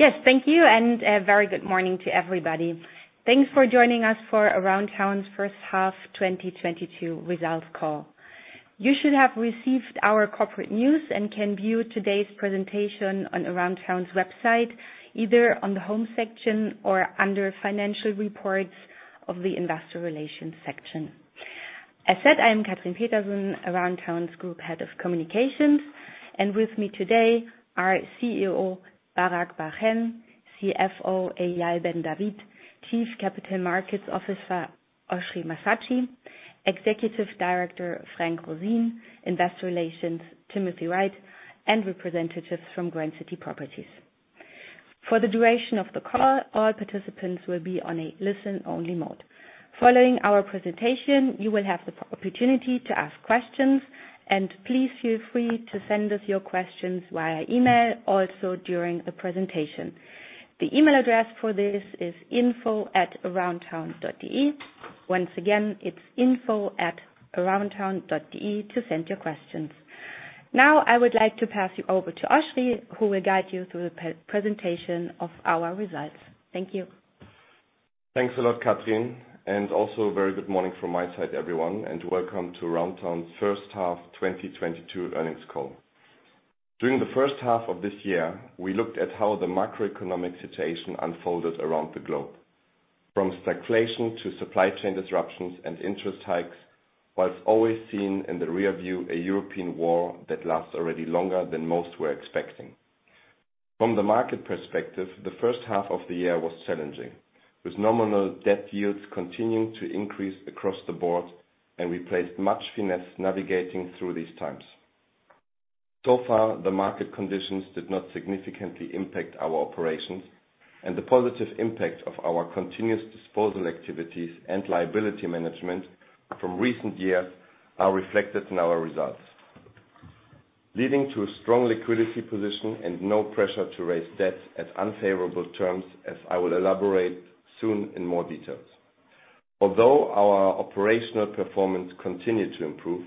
Yes, thank you, and a very good morning to everybody. Thanks for joining us for Aroundtown's first half 2022 results call. You should have received our corporate news and can view today's presentation on Aroundtown's website, either on the home section or under financial reports of the investor relations section. As said, I am Kamaldeep Manaktala, Aroundtown's Group Head of Communications. With me today are CEO Barak Bar-Hen, CFO Eyal Ben David, Chief Capital Markets Officer Oschrie Massatschi, Executive Director Frank Roseen, Investor Relations Timothy Wright, and representatives from Grand City Properties. For the duration of the call, all participants will be on a listen-only mode. Following our presentation, you will have the opportunity to ask questions, and please feel free to send us your questions via email, also during the presentation. The email address for this is info@aroundtown.de. Once again, it's info@aroundtown.de to send your questions. Now, I would like to pass you over to Oschrie, who will guide you through the pre-presentation of our results. Thank you. Thanks a lot Kamaldeep, and also a very good morning from my side everyone, and welcome to Aroundtown's first half 2022 earnings call. During the first half of this year, we looked at how the macroeconomic situation unfolded around the globe, from stagflation to supply chain disruptions and interest hikes, while always seeing in the rearview a European war that lasted already longer than most were expecting. From the market perspective, the first half of the year was challenging, with nominal debt yields continuing to increase across the board, and we placed much finesse navigating through these times. So far, the market conditions did not significantly impact our operations, and the positive impact of our continuous disposal activities and liability management from recent years are reflected in our results, leading to a strong liquidity position and no pressure to raise debts at unfavorable terms, as I will elaborate soon in more details. Although our operational performance continued to improve,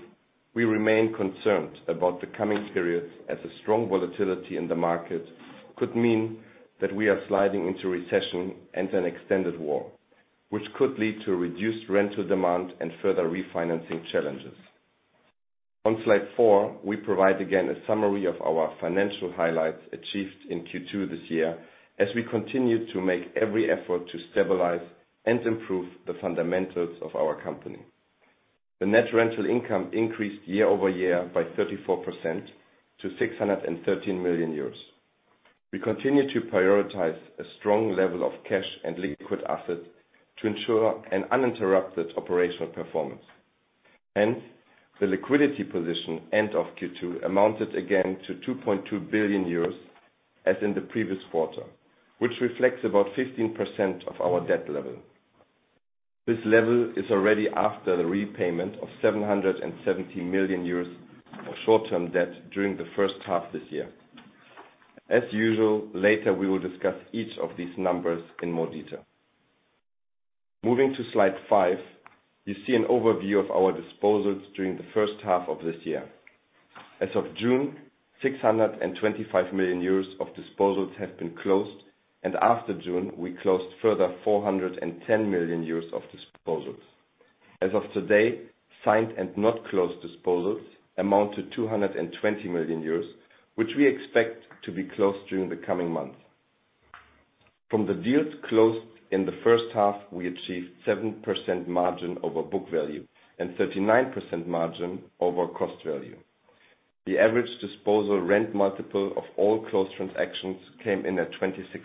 we remain concerned about the coming periods, as a strong volatility in the market could mean that we are sliding into recession and an extended war, which could lead to reduced rental demand and further refinancing challenges. On slide four, we provide again a summary of our financial highlights achieved in Q2 this year, as we continue to make every effort to stabilize and improve the fundamentals of our company. The net rental income increased year-over-year by 34% to 613 million euros. We continue to prioritize a strong level of cash and liquid assets to ensure an uninterrupted operational performance. Hence, the liquidity position, end of Q2, amounted again to 2.2 billion euros as in the previous quarter, which reflects about 15% of our debt level. This level is already after the repayment of 770 million euros of short-term debt during the first half this year. As usual later, we will discuss each of these numbers in more detail. Moving to slide five, you see an overview of our disposals during the first half of this year. As of June, 625 million euros of disposals have been closed, and after June, we closed further 410 million euros of disposals. As of today, signed and not closed disposals amount to 220 million euros, which we expect to be closed during the coming months. From the deals closed in the first half, we achieved 7% margin over book value and 39% margin over cost value. The average disposal rent multiple of all closed transactions came in at 26x.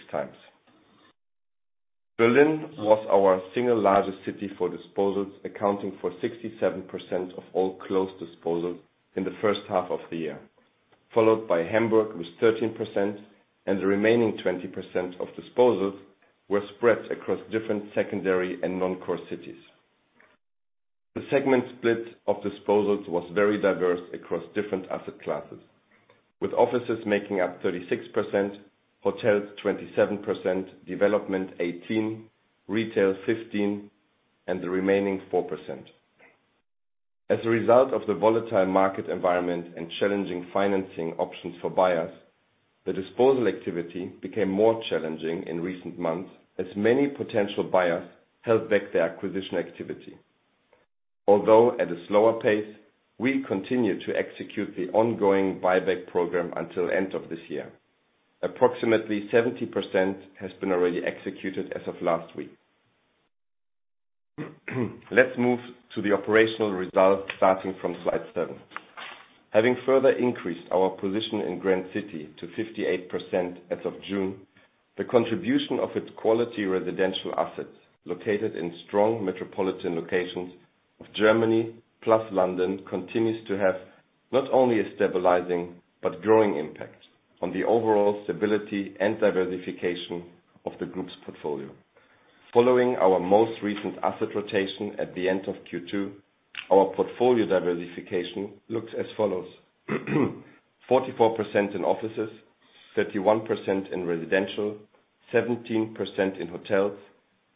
Berlin was our single largest city for disposals, accounting for 67% of all closed disposals in the first half of the year, followed by Hamburg with 13%, and the remaining 20% of disposals were spread across different secondary and non-core cities. The segment split of disposals was very diverse across different asset classes, with offices making up 36%, hotels 27%, development 18%, retail 15%, and the remaining 4%. As a result of the volatile market environment and challenging financing options for buyers, the disposal activity became more challenging in recent months as many potential buyers held back their acquisition activity. Although at a slower pace, we continue to execute the ongoing buyback program until end of this year. Approximately 70% has been already executed as of last week. Let's move to the operational results starting from slide seven. Having further increased our position in Grand City to 58% as of June, the contribution of its quality residential assets located in strong metropolitan locations of Germany, plus London, continues to have not only a stabilizing but growing impact on the overall stability and diversification of the group's portfolio. Following our most recent asset rotation at the end of Q2, our portfolio diversification looks as follows: 44% in offices, 31% in residential, 17% in hotels,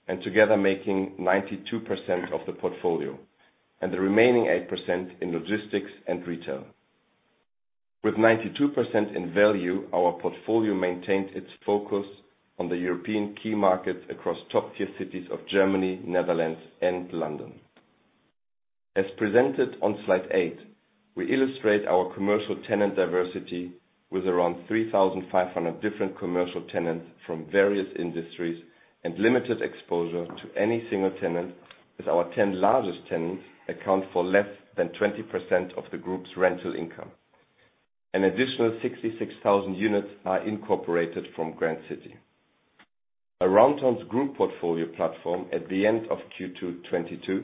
and together making 92% of the portfolio. The remaining 8% in logistics and retail. With 92% in value, our portfolio maintains its focus on the European key markets across top-tier cities of Germany, Netherlands, and London. As presented on slide eight, we illustrate our commercial tenant diversity with around 3,500 different commercial tenants from various industries, and limited exposure to any single tenant, with our 10 largest tenants account for less than 20% of the group's rental income. An additional 66,000 units are incorporated from Grand City. Aroundtown's group portfolio platform at the end of Q2 2022,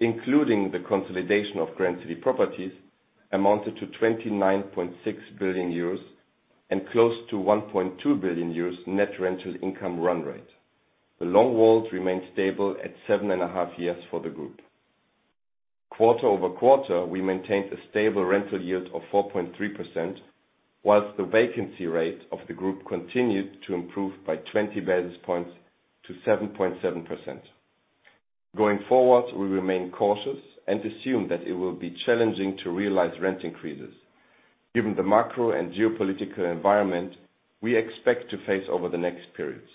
including the consolidation of Grand City Properties, amounted to 29.6 billion euros and close to 1.2 billion euros net rental income run rate. The WALT remains stable at 7.5 years for the group. Quarter-over-quarter, we maintained a stable rental yield of 4.3%, while the vacancy rate of the group continued to improve by 20 basis points to 7.7%. Going forward, we remain cautious and assume that it will be challenging to realize rent increases given the macro and geopolitical environment we expect to face over the next periods.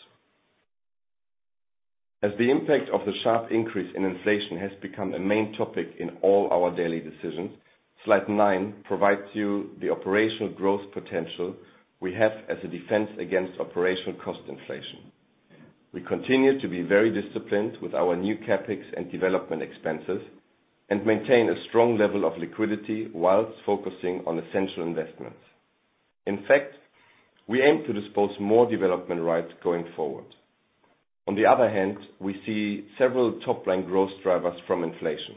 As the impact of the sharp increase in inflation has become a main topic in all our daily decisions, slide nine provides you the operational growth potential we have as a defense against operational cost inflation. We continue to be very disciplined with our new CapEx and development expenses, and maintain a strong level of liquidity while focusing on essential investments. In fact, we aim to dispose of more development rights going forward. On the other hand, we see several top-line growth drivers from inflation.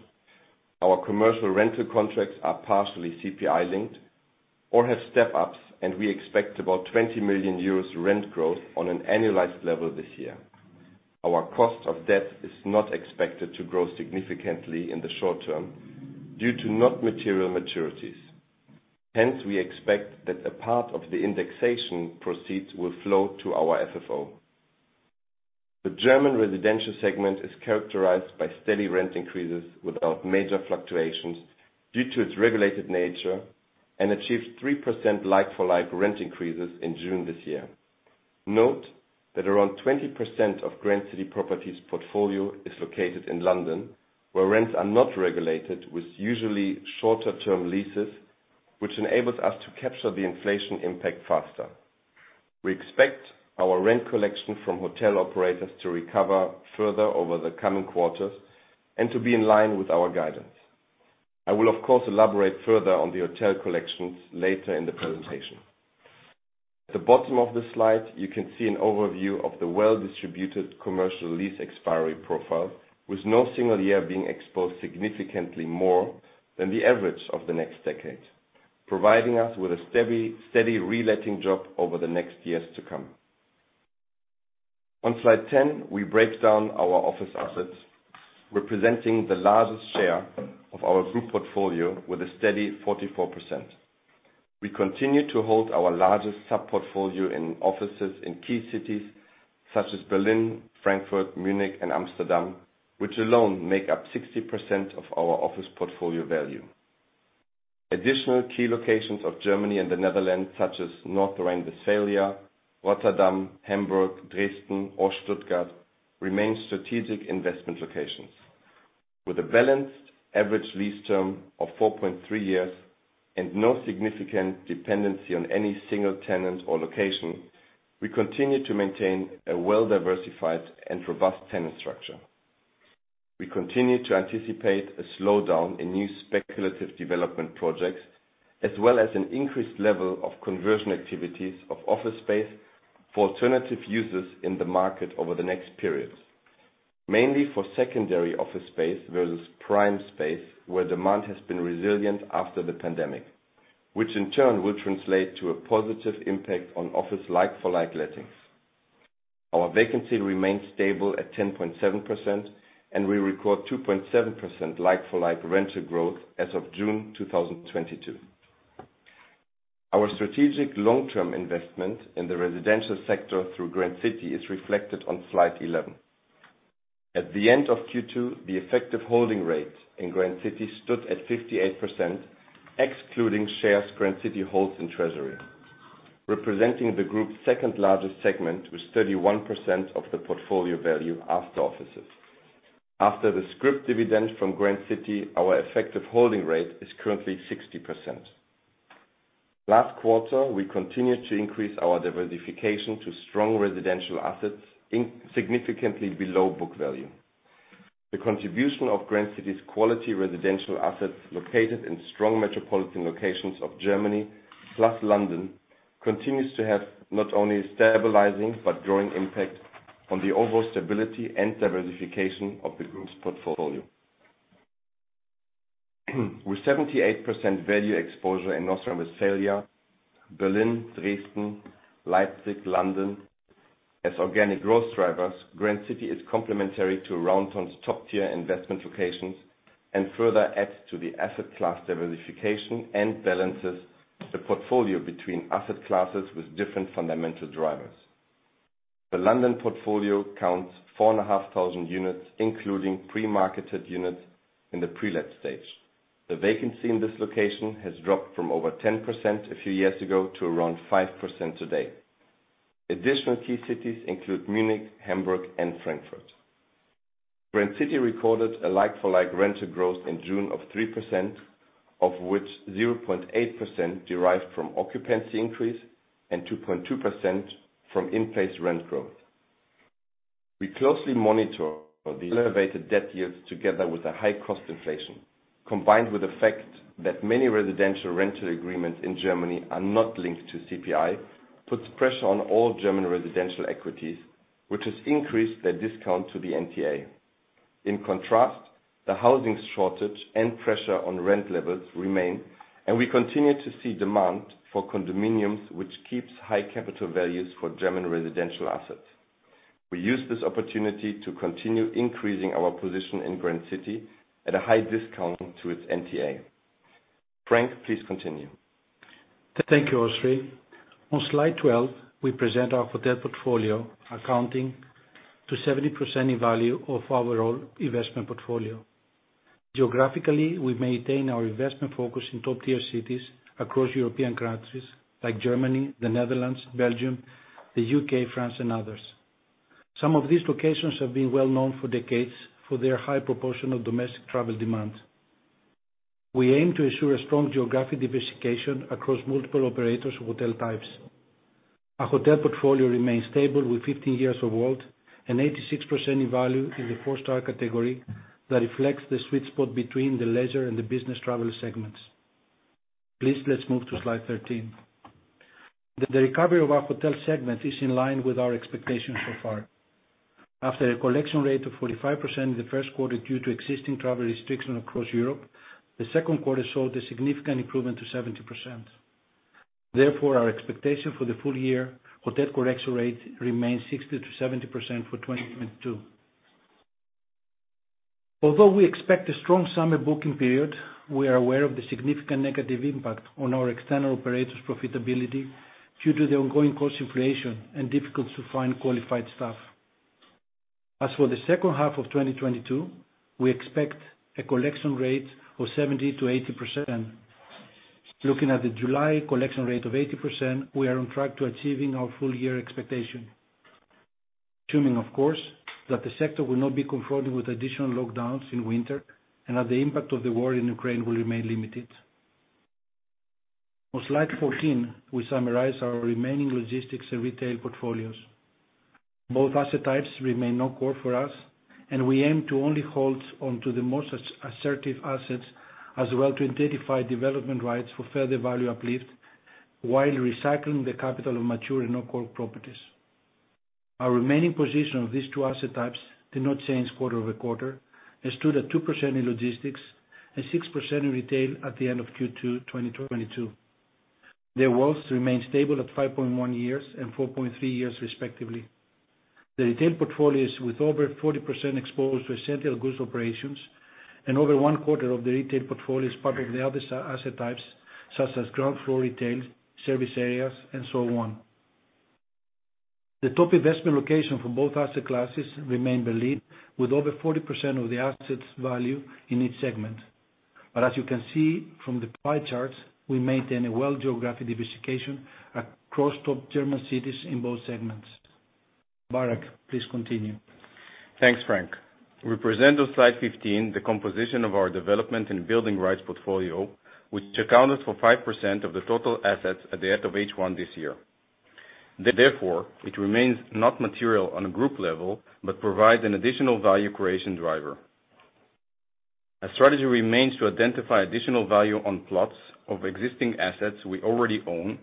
Our commercial rental contracts are partially CPI linked or have step ups, and we expect about 20 million euros rent growth on an annualized level this year. Our cost of debt is not expected to grow significantly in the short term due to no material maturities. Hence, we expect that a part of the indexation proceeds will flow to our FFO. The German residential segment is characterized by steady rent increases without major fluctuations due to its regulated nature, and achieved 3% like-for-like rent increases in June this year. Note that around 20% of Grand City Properties portfolio is located in London, where rents are not regulated, with usually shorter term leases, which enables us to capture the inflation impact faster. We expect our rent collection from hotel operators to recover further over the coming quarters and to be in line with our guidance. I will, of course, elaborate further on the hotel collections later in the presentation. At the bottom of the slide, you can see an overview of the well-distributed commercial lease expiry profile, with no single year being exposed significantly more than the average of the next decade, providing us with a steady reletting job over the next years to come. On slide 10, we break down our office assets, representing the largest share of our group portfolio with a steady 44%. We continue to hold our largest sub-portfolio in offices in key cities such as Berlin, Frankfurt, Munich and Amsterdam, which alone make up 60% of our office portfolio value. Additional key locations of Germany and the Netherlands, such as North Rhine-Westphalia, Rotterdam, Hamburg, Dresden or Stuttgart, remain strategic investment locations. With a balanced average lease term of 4.3 years and no significant dependency on any single tenant or location, we continue to maintain a well-diversified and robust tenant structure. We continue to anticipate a slowdown in new speculative development projects, as well as an increased level of conversion activities of office space for alternative uses in the market over the next periods. Mainly for secondary office space versus prime space, where demand has been resilient after the pandemic, which in turn will translate to a positive impact on office like-for-like lettings. Our vacancy remains stable at 10.7%, and we record 2.7% like-for-like rental growth as of June 2022. Our strategic long-term investment in the residential sector through Grand City is reflected on slide 11. At the end of Q2, the effective holding rate in Grand City stood at 58%, excluding shares Grand City holds in Treasury, representing the group's second-largest segment with 31% of the portfolio value after offices. After the scrip dividend from Grand City, our effective holding rate is currently 60%. Last quarter, we continued to increase our diversification to strong residential assets in significantly below book value. The contribution of Grand City's quality residential assets located in strong metropolitan locations of Germany plus London, continues to have not only stabilizing but growing impact on the overall stability and diversification of the group's portfolio. With 78% value exposure in North Rhine-Westphalia, Berlin, Dresden, Leipzig, London as organic growth drivers, Grand City is complementary to Aroundtown's top tier investment locations and further adds to the asset class diversification and balances the portfolio between asset classes with different fundamental drivers. The London portfolio counts 4,500 units, including pre-marketed units in the pre-let stage. The vacancy in this location has dropped from over 10% a few years ago to around 5% today. Additional key cities include Munich, Hamburg, and Frankfurt. Grand City recorded a like-for-like rental growth in June of 3%, of which 0.8% derives from occupancy increase and 2.2% from in-place rent growth. We closely monitor the elevated debt yields together with a high cost inflation, combined with the fact that many residential rental agreements in Germany are not linked to CPI, puts pressure on all German residential equities, which has increased their discount to the NTA. In contrast, the housing shortage and pressure on rent levels remain, and we continue to see demand for condominiums, which keeps high capital values for German residential assets. We use this opportunity to continue increasing our position in Grand City at a high discount to its NTA. Frank, please continue. Thank you, Oschrie. On slide 12, we present our hotel portfolio accounting to 70% in value of our overall investment portfolio. Geographically, we maintain our investment focus in top-tier cities across European countries like Germany, the Netherlands, Belgium, the U.K., France, and others. Some of these locations have been well known for decades for their high proportion of domestic travel demand. We aim to ensure a strong geographic diversification across multiple operators of hotel types. Our hotel portfolio remains stable with 15 years of WALT and 86% in value in the four-star category. That reflects the sweet spot between the leisure and the business travel segments. Please, let's move to slide 13. The recovery of our hotel segment is in line with our expectations so far. After a collection rate of 45% in the first quarter due to existing travel restrictions across Europe, the second quarter showed a significant improvement to 70%. Therefore, our expectation for the full year hotel collection rate remains 60%-70% for 2022. Although we expect a strong summer booking period, we are aware of the significant negative impact on our external operators' profitability due to the ongoing cost inflation and difficult to find qualified staff. As for the second half of 2022, we expect a collection rate of 70%-80%. Looking at the July collection rate of 80%, we are on track to achieving our full year expectation. Assuming, of course, that the sector will not be confronted with additional lockdowns in winter and that the impact of the war in Ukraine will remain limited. On slide 14, we summarize our remaining logistics and retail portfolios. Both asset types remain non-core for us, and we aim to only hold on to the most attractive assets, as well to identify development rights for further value uplift, while recycling the capital of mature and non-core properties. Our remaining position of these two asset types did not change quarter-over-quarter, and stood at 2% in logistics and 6% in retail at the end of Q2 2022. The WALTs remain stable at 5.1 years and 4.3 years respectively. The retail portfolio is with over 40% exposed to essential goods operations and over one quarter of the retail portfolio is part of the other asset types, such as ground floor retail, service areas, and so on. The top investment location for both asset classes remain Berlin with over 40% of the assets value in each segment. As you can see from the pie charts, we maintain a wide geographic diversification across top German cities in both segments. Barak, please continue. Thanks, Frank. We present on slide 15 the composition of our development and building rights portfolio, which accounted for 5% of the total assets at the end of H1 this year. Therefore, it remains not material on a group level, but provides an additional value creation driver. Our strategy remains to identify additional value on plots of existing assets we already own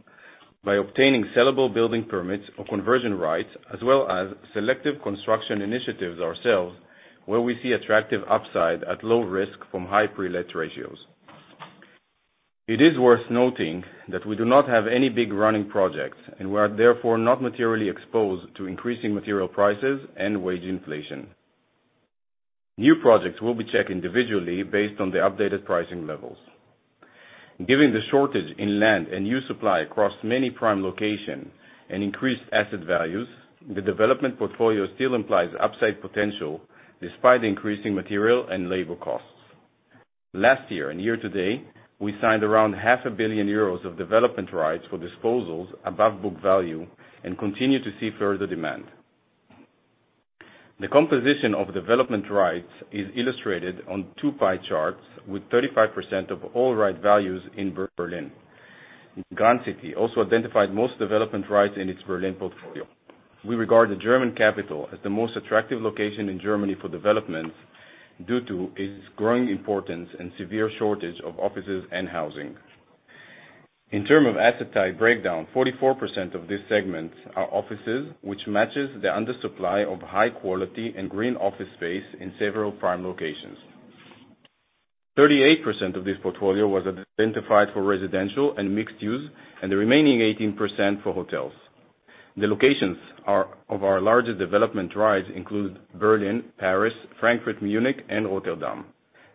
by obtaining sellable building permits or conversion rights as well as selective construction initiatives ourselves, where we see attractive upside at low risk from high pre-let ratios. It is worth noting that we do not have any big running projects, and we are therefore not materially exposed to increasing material prices and wage inflation. New projects will be checked individually based on the updated pricing levels. Given the shortage in land and new supply across many prime locations and increased asset values, the development portfolio still implies upside potential despite increasing material and labor costs. Last year and year to date, we signed around 0.5 billion euros of development rights for disposals above book value and continue to see further demand. The composition of development rights is illustrated on two pie charts, with 35% of all rights values in Berlin. Grand City also identified most development rights in its Berlin portfolio. We regard the German capital as the most attractive location in Germany for developments due to its growing importance and severe shortage of offices and housing. In terms of asset type breakdown, 44% of these segments are offices, which matches the undersupply of high quality and green office space in several prime locations. 38% of this portfolio was identified for residential and mixed use, and the remaining 18% for hotels. The locations of our largest development rights include Berlin, Paris, Frankfurt, Munich, and Rotterdam.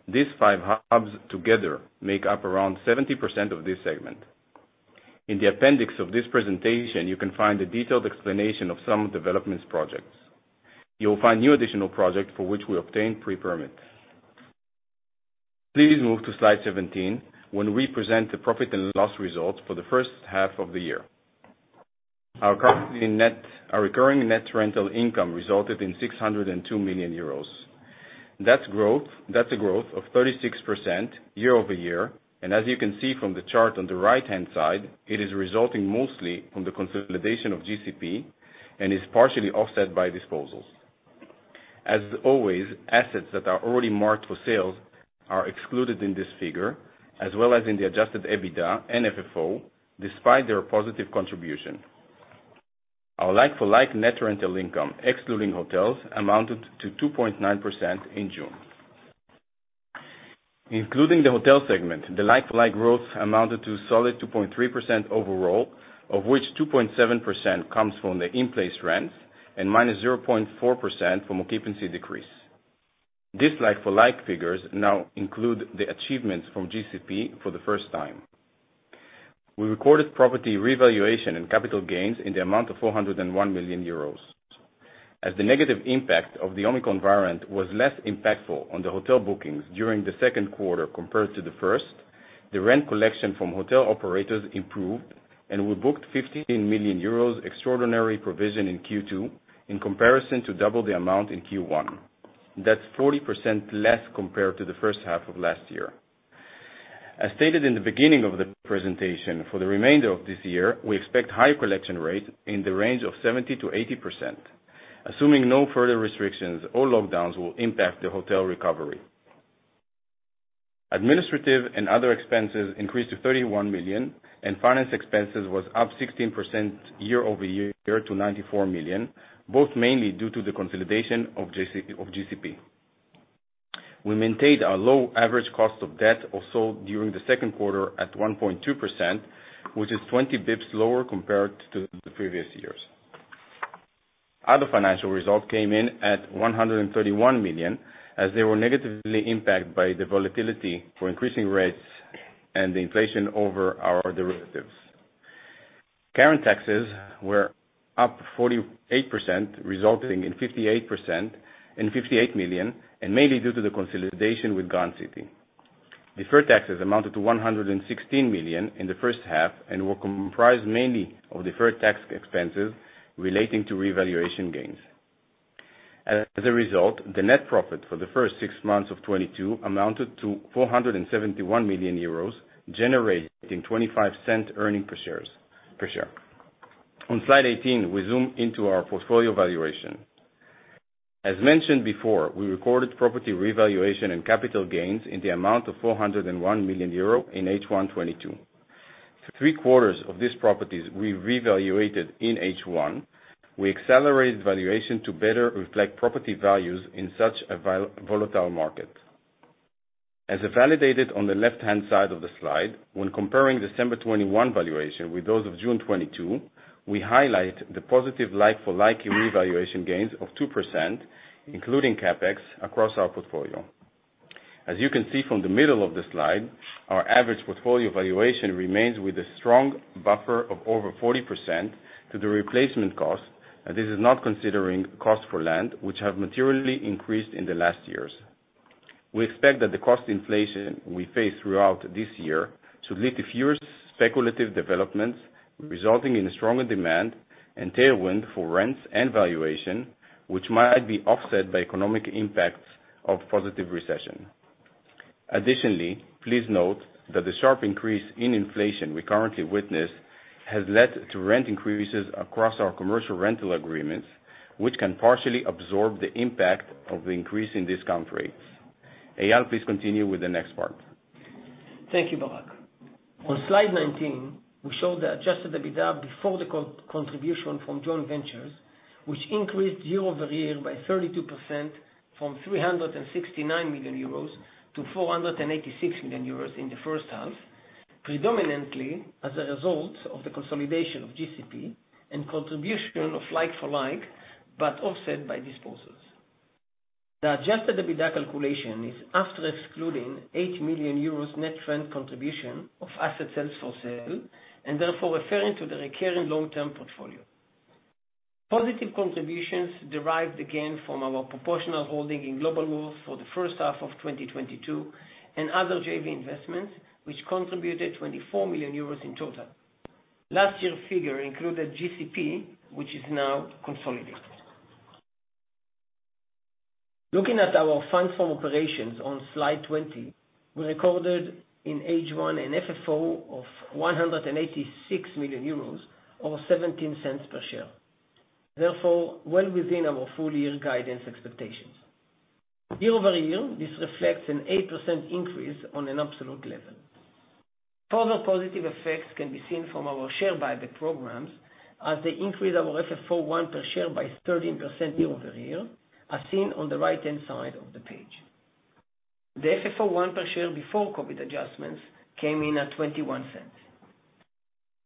These five hubs together make up around 70% of this segment. In the appendix of this presentation, you can find a detailed explanation of some development projects. You will find new additional project for which we obtained pre-permits. Please move to slide 17, when we present the profit and loss results for the first half of the year. Our recurring net rental income resulted in 602 million euros. That's a growth of 36% year-over-year, and as you can see from the chart on the right-hand side, it is resulting mostly from the consolidation of GCP and is partially offset by disposals. As always, assets that are already marked for sales are excluded in this figure, as well as in the adjusted EBITDA and FFO, despite their positive contribution. Our like-for-like net rental income, excluding hotels, amounted to 2.9% in June. Including the hotel segment, the like-for-like growth amounted to a solid 2.3% overall, of which 2.7% comes from the in-place rents, and -0.4% from occupancy decrease. These like-for-like figures now include the achievements from GCP for the first time. We recorded property revaluation and capital gains in the amount of 401 million euros. As the negative impact of the Omicron variant was less impactful on the hotel bookings during the second quarter compared to the first, the rent collection from hotel operators improved, and we booked 15 million euros extraordinary provision in Q2, in comparison to double the amount in Q1. That's 40% less compared to the first half of last year. As stated in the beginning of the presentation, for the remainder of this year, we expect high collection rate in the range of 70%-80%, assuming no further restrictions or lockdowns will impact the hotel recovery. Administrative and other expenses increased to 31 million, and finance expenses was up 16% year-over-year to 94 million, both mainly due to the consolidation of GCP. We maintained our low average cost of debt also during the second quarter at 1.2%, which is 20 basis points lower compared to the previous years. Other financial results came in at 131 million, as they were negatively impacted by the volatility from increasing rates and the inflation over our derivatives. Current taxes were up 48%, resulting in 58 million, and mainly due to the consolidation with Grand City. Deferred taxes amounted to 116 million in the first half and were comprised mainly of deferred tax expenses relating to revaluation gains. As a result, the net profit for the first six months of 2022 amounted to 471 million euros, generating 0.25 earnings per share. On slide 18, we zoom into our portfolio valuation. As mentioned before, we recorded property revaluation and capital gains in the amount of 401 million euro in H1 2022. Three quarters of these properties we revalued in H1. We accelerated valuation to better reflect property values in such a volatile market. As validated on the left-hand side of the slide, when comparing December 2021 valuation with those of June 2022, we highlight the positive like-for-like revaluation gains of 2%, including CapEx, across our portfolio. As you can see from the middle of the slide, our average portfolio valuation remains with a strong buffer of over 40% to the replacement cost, and this is not considering cost for land, which have materially increased in the last years. We expect that the cost inflation we face throughout this year should lead to fewer speculative developments, resulting in stronger demand and tailwind for rents and valuation, which might be offset by economic impacts of possible recession. Additionally, please note that the sharp increase in inflation we currently witness has led to rent increases across our commercial rental agreements, which can partially absorb the impact of the increase in discount rates. Eyal, please continue with the next part. Thank you, Barak. On slide 19, we show the adjusted EBITDA before the contribution from joint ventures, which increased year-over-year by 32% from 369 million euros to 486 million euros in the first half, predominantly as a result of the consolidation of GCP and contribution of like-for-like, but offset by disposals. The adjusted EBITDA calculation is after excluding 80 million euros net rental contribution of assets held for sale, and therefore referring to the recurring long-term portfolio. Positive contributions derived again from our proportional holding in Globalworth for the first half of 2022 and other JV investments, which contributed 24 million euros in total. Last year's figure included GCP, which is now consolidated. Looking at our funds from operations on slide 20, we recorded in H1 an FFO of 186 million euros or 0.17 per share, therefore well within our full year guidance expectations. Year-over-year, this reflects an 8% increase on an absolute level. Further positive effects can be seen from our share buyback programs as they increase our FFO I per share by 13% year-over-year, as seen on the right-hand side of the page. The FFO I per share before COVID adjustments came in at 0.21.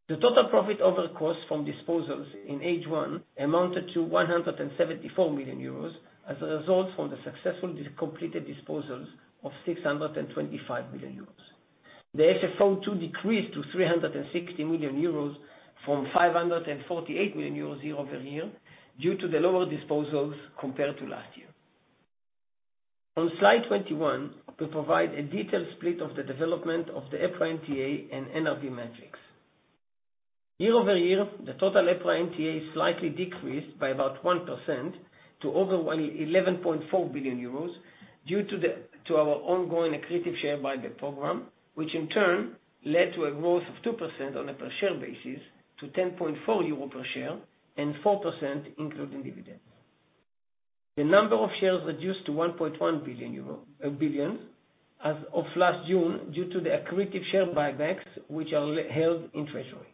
The total profit over cost from disposals in H1 amounted to 174 million euros as a result from the successful completed disposals of 625 million euros. The FFO II decreased to 360 million euros from 548 million euros year-over-year due to the lower disposals compared to last year. On slide 21, we provide a detailed split of the development of the EPRA NTA and NRV metrics. Year-over-year, the total EPRA NTA slightly decreased by about 1% to over 11.4 billion euros due to our ongoing accretive share buyback program, which in turn led to a growth of 2% on a per share basis to 10.4 euro per share and 4% including dividends. The number of shares reduced to 1.1 billion as of last June due to the accretive share buybacks, which are held in treasury.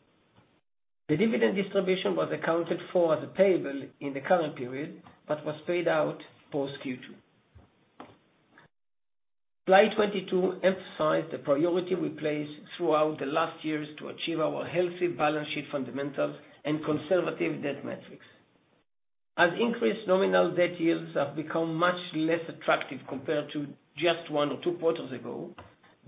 The dividend distribution was accounted for as payable in the current period, but was paid out post Q2. Slide 22 emphasize the priority we place throughout the last years to achieve our healthy balance sheet fundamentals and conservative debt metrics. As increased nominal debt yields have become much less attractive compared to just one or two quarters ago,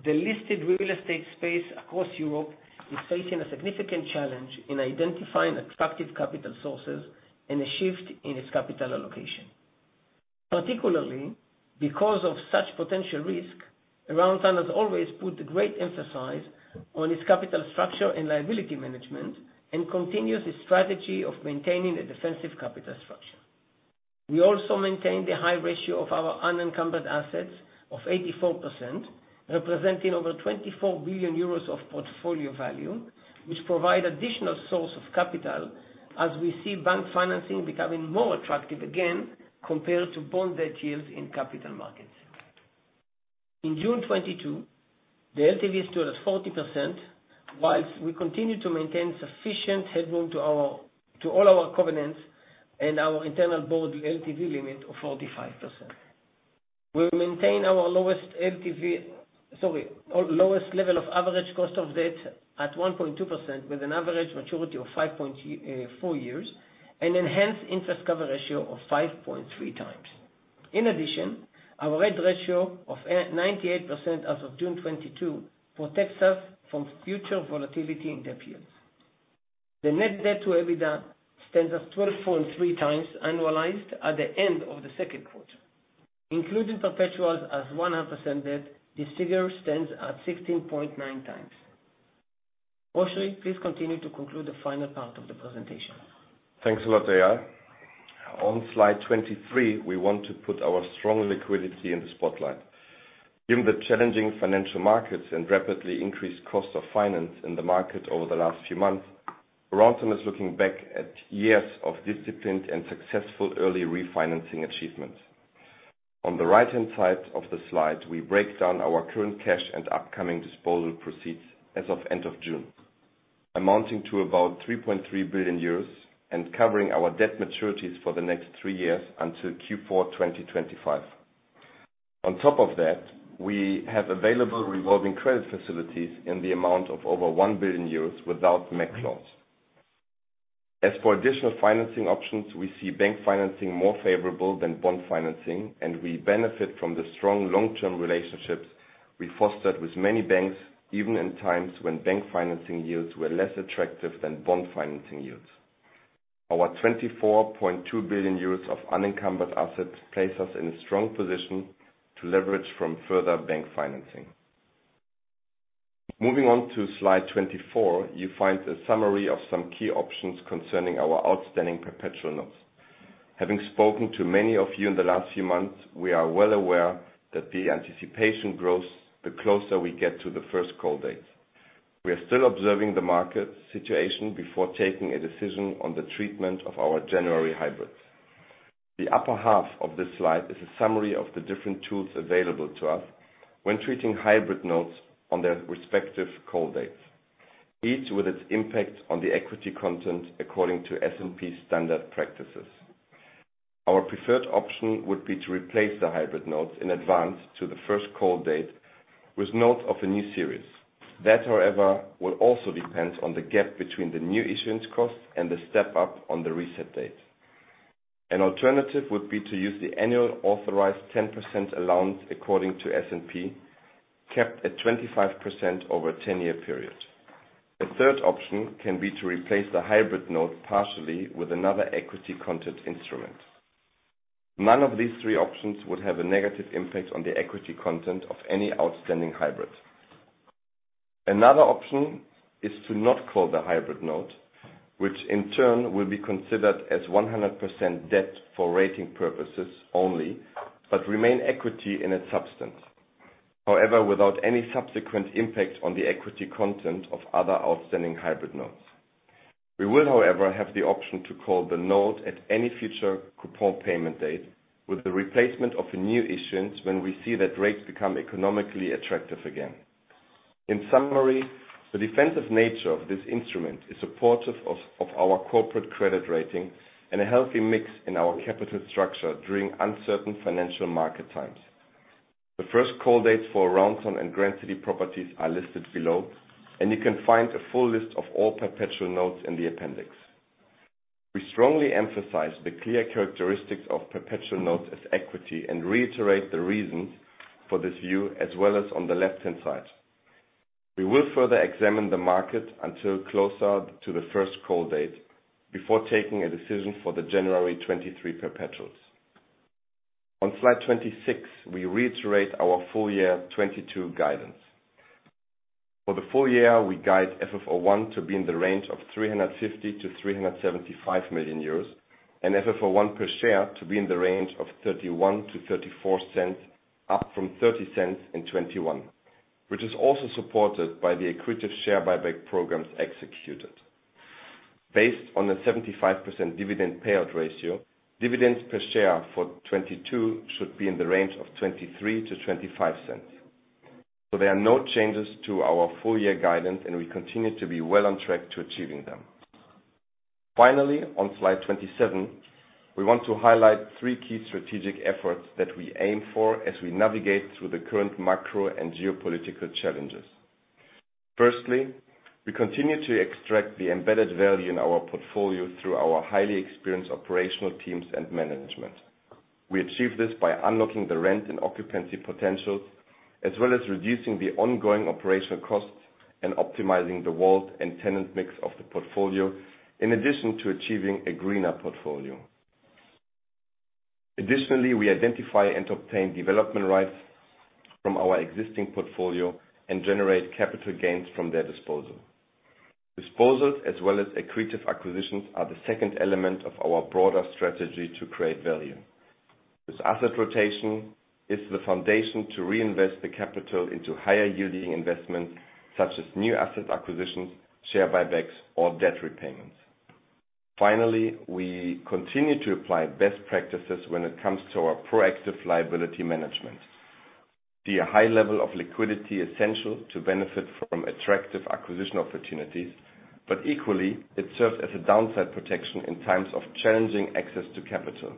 the listed real estate space across Europe is facing a significant challenge in identifying attractive capital sources and a shift in its capital allocation. Particularly, because of such potential risk, Aroundtown has always put a great emphasis on its capital structure and liability management and continues its strategy of maintaining a defensive capital structure. We also maintain the high ratio of our unencumbered assets of 84%, representing over 24 billion euros of portfolio value, which provide additional source of capital as we see bank financing becoming more attractive again compared to bond debt yields in capital markets. In June 2022, the LTV stood at 40%, while we continue to maintain sufficient headroom to all our covenants and our internal board LTV limit of 45%. Our lowest level of average cost of debt at 1.2% with an average maturity of four years and enhanced interest cover ratio of 5.3x. In addition, our hedging ratio of 98% as of June 2022 protects us from future volatility in debt yields. The net debt to EBITDA stands at 12.3x annualized at the end of the second quarter. Including perpetuals as 100% debt, this figure stands at 16.9x. Oschrie, please continue to conclude the final part of the presentation. Thanks a lot, Eyal. On slide 23, we want to put our strong liquidity in the spotlight. Given the challenging financial markets and rapidly increased cost of finance in the market over the last few months, Aroundtown is looking back at years of disciplined and successful early refinancing achievements. On the right-hand side of the slide, we break down our current cash and upcoming disposal proceeds as of end of June, amounting to about 3.3 billion euros and covering our debt maturities for the next three years until Q4 2025. On top of that, we have available revolving credit facilities in the amount of over 1 billion euros without MAC clause. As for additional financing options, we see bank financing more favorable than bond financing, and we benefit from the strong long-term relationships we fostered with many banks, even in times when bank financing yields were less attractive than bond financing yields. Our 24.2 billion euros of unencumbered assets place us in a strong position to leverage from further bank financing. Moving on to slide 24, you find a summary of some key options concerning our outstanding perpetual notes. Having spoken to many of you in the last few months, we are well aware that the anticipation grows the closer we get to the first call date. We are still observing the market situation before taking a decision on the treatment of our January hybrids. The upper half of this slide is a summary of the different tools available to us when treating hybrid notes on their respective call dates, each with its impact on the equity content according to S&P standard practices. Our preferred option would be to replace the hybrid notes in advance to the first call date with notes of a new series. That, however, will also depend on the gap between the new issuance cost and the step up on the reset date. An alternative would be to use the annual authorized 10% allowance according to S&P, capped at 25% over a 10-year period. A third option can be to replace the hybrid note partially with another equity content instrument. None of these three options would have a negative impact on the equity content of any outstanding hybrid. Another option is to not call the hybrid note, which in turn will be considered as 100% debt for rating purposes only, but remain equity in its substance. However, without any subsequent impact on the equity content of other outstanding hybrid notes. We will however, have the option to call the note at any future coupon payment date with the replacement of a new issuance when we see that rates become economically attractive again. In summary, the defensive nature of this instrument is supportive of our corporate credit rating and a healthy mix in our capital structure during uncertain financial market times. The first call dates for Aroundtown and Grand City Properties are listed below, and you can find a full list of all perpetual notes in the appendix. We strongly emphasize the clear characteristics of perpetual notes as equity, and reiterate the reasons for this view as well as on the left-hand side. We will further examine the market until closer to the first call date before taking a decision for the January 2023 perpetuals. On slide 26, we reiterate our full year 2022 guidance. For the full year, we guide FFO I to be in the range of 350 million-375 million euros, and FFO I per share to be in the range of 0.31-0.34, up from 0.30 in 2021, which is also supported by the accretive share buyback programs executed. Based on a 75% dividend payout ratio, dividends per share for 2022 should be in the range of 0.23-0.25. There are no changes to our full year guidance, and we continue to be well on track to achieving them. Finally, on slide 27, we want to highlight three key strategic efforts that we aim for as we navigate through the current macro and geopolitical challenges. Firstly, we continue to extract the embedded value in our portfolio through our highly experienced operational teams and management. We achieve this by unlocking the rent and occupancy potentials, as well as reducing the ongoing operational costs and optimizing the value and tenant mix of the portfolio, in addition to achieving a greener portfolio. Additionally, we identify and obtain development rights from our existing portfolio and generate capital gains from their disposal. Disposals as well as accretive acquisitions are the second element of our broader strategy to create value. This asset rotation is the foundation to reinvest the capital into higher yielding investments such as new asset acquisitions, share buybacks or debt repayments. Finally, we continue to apply best practices when it comes to our proactive liability management. The high level of liquidity essential to benefit from attractive acquisition opportunities, but equally it serves as a downside protection in times of challenging access to capital.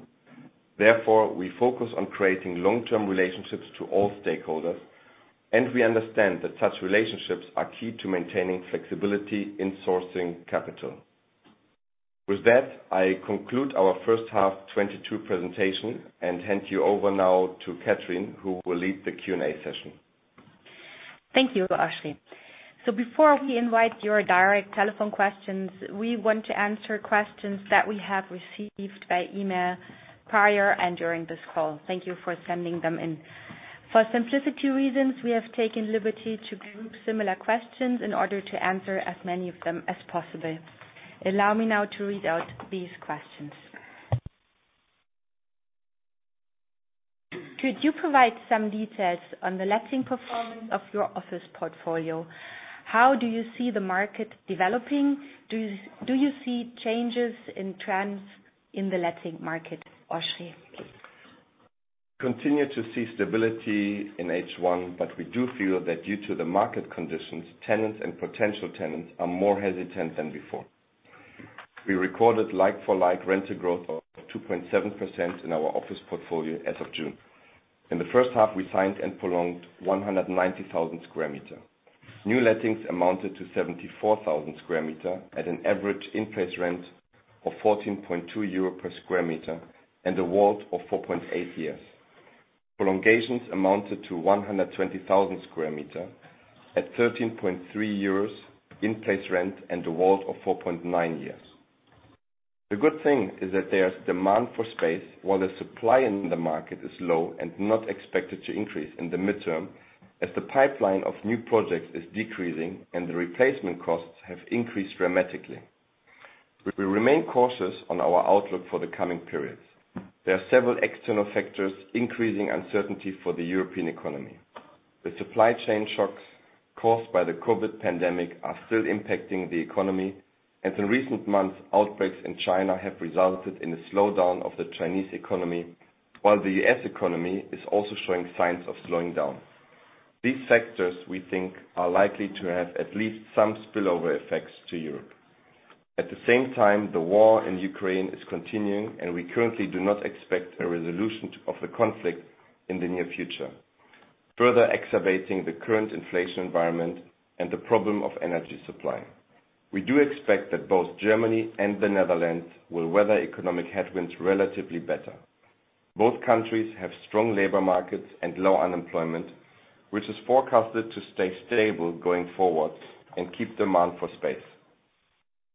Therefore, we focus on creating long-term relationships to all stakeholders, and we understand that such relationships are key to maintaining flexibility in sourcing capital. With that, I conclude our first half 2022 presentation and hand you over now to Catherine, who will lead the Q&A session. Thank you, Oschrie. Before we invite your direct telephone questions, we want to answer questions that we have received by email prior and during this call. Thank you for sending them in. For simplicity reasons, we have taken liberty to group similar questions in order to answer as many of them as possible. Allow me now to read out these questions. Could you provide some details on the letting performance of your office portfolio? How do you see the market developing? Do you see changes in trends in the letting market? Oschrie, please. Continue to see stability in H1, but we do feel that due to the market conditions, tenants and potential tenants are more hesitant than before. We recorded like-for-like rental growth of 2.7% in our office portfolio as of June. In the first half, we signed and prolonged 190,000 sqm. New lettings amounted to 74,000 sqm at an average in place rent of 14.2 euro per sqm and a WALT of 4.8 years. Prolongations amounted to 120,000 square meters at 13.3 euros in place rent and a WALT of 4.9 years. The good thing is that there's demand for space while the supply in the market is low and not expected to increase in the medium term as the pipeline of new projects is decreasing and the replacement costs have increased dramatically. We remain cautious on our outlook for the coming periods. There are several external factors increasing uncertainty for the European economy. The supply chain shocks caused by the COVID pandemic are still impacting the economy. In recent months, outbreaks in China have resulted in a slowdown of the Chinese economy, while the U.S. economy is also showing signs of slowing down. These factors, we think, are likely to have at least some spillover effects to Europe. At the same time, the war in Ukraine is continuing, and we currently do not expect a resolution of the conflict in the near future, further exacerbating the current inflation environment and the problem of energy supply. We do expect that both Germany and the Netherlands will weather economic headwinds relatively better. Both countries have strong labor markets and low unemployment, which is forecasted to stay stable going forward and keep demand for space.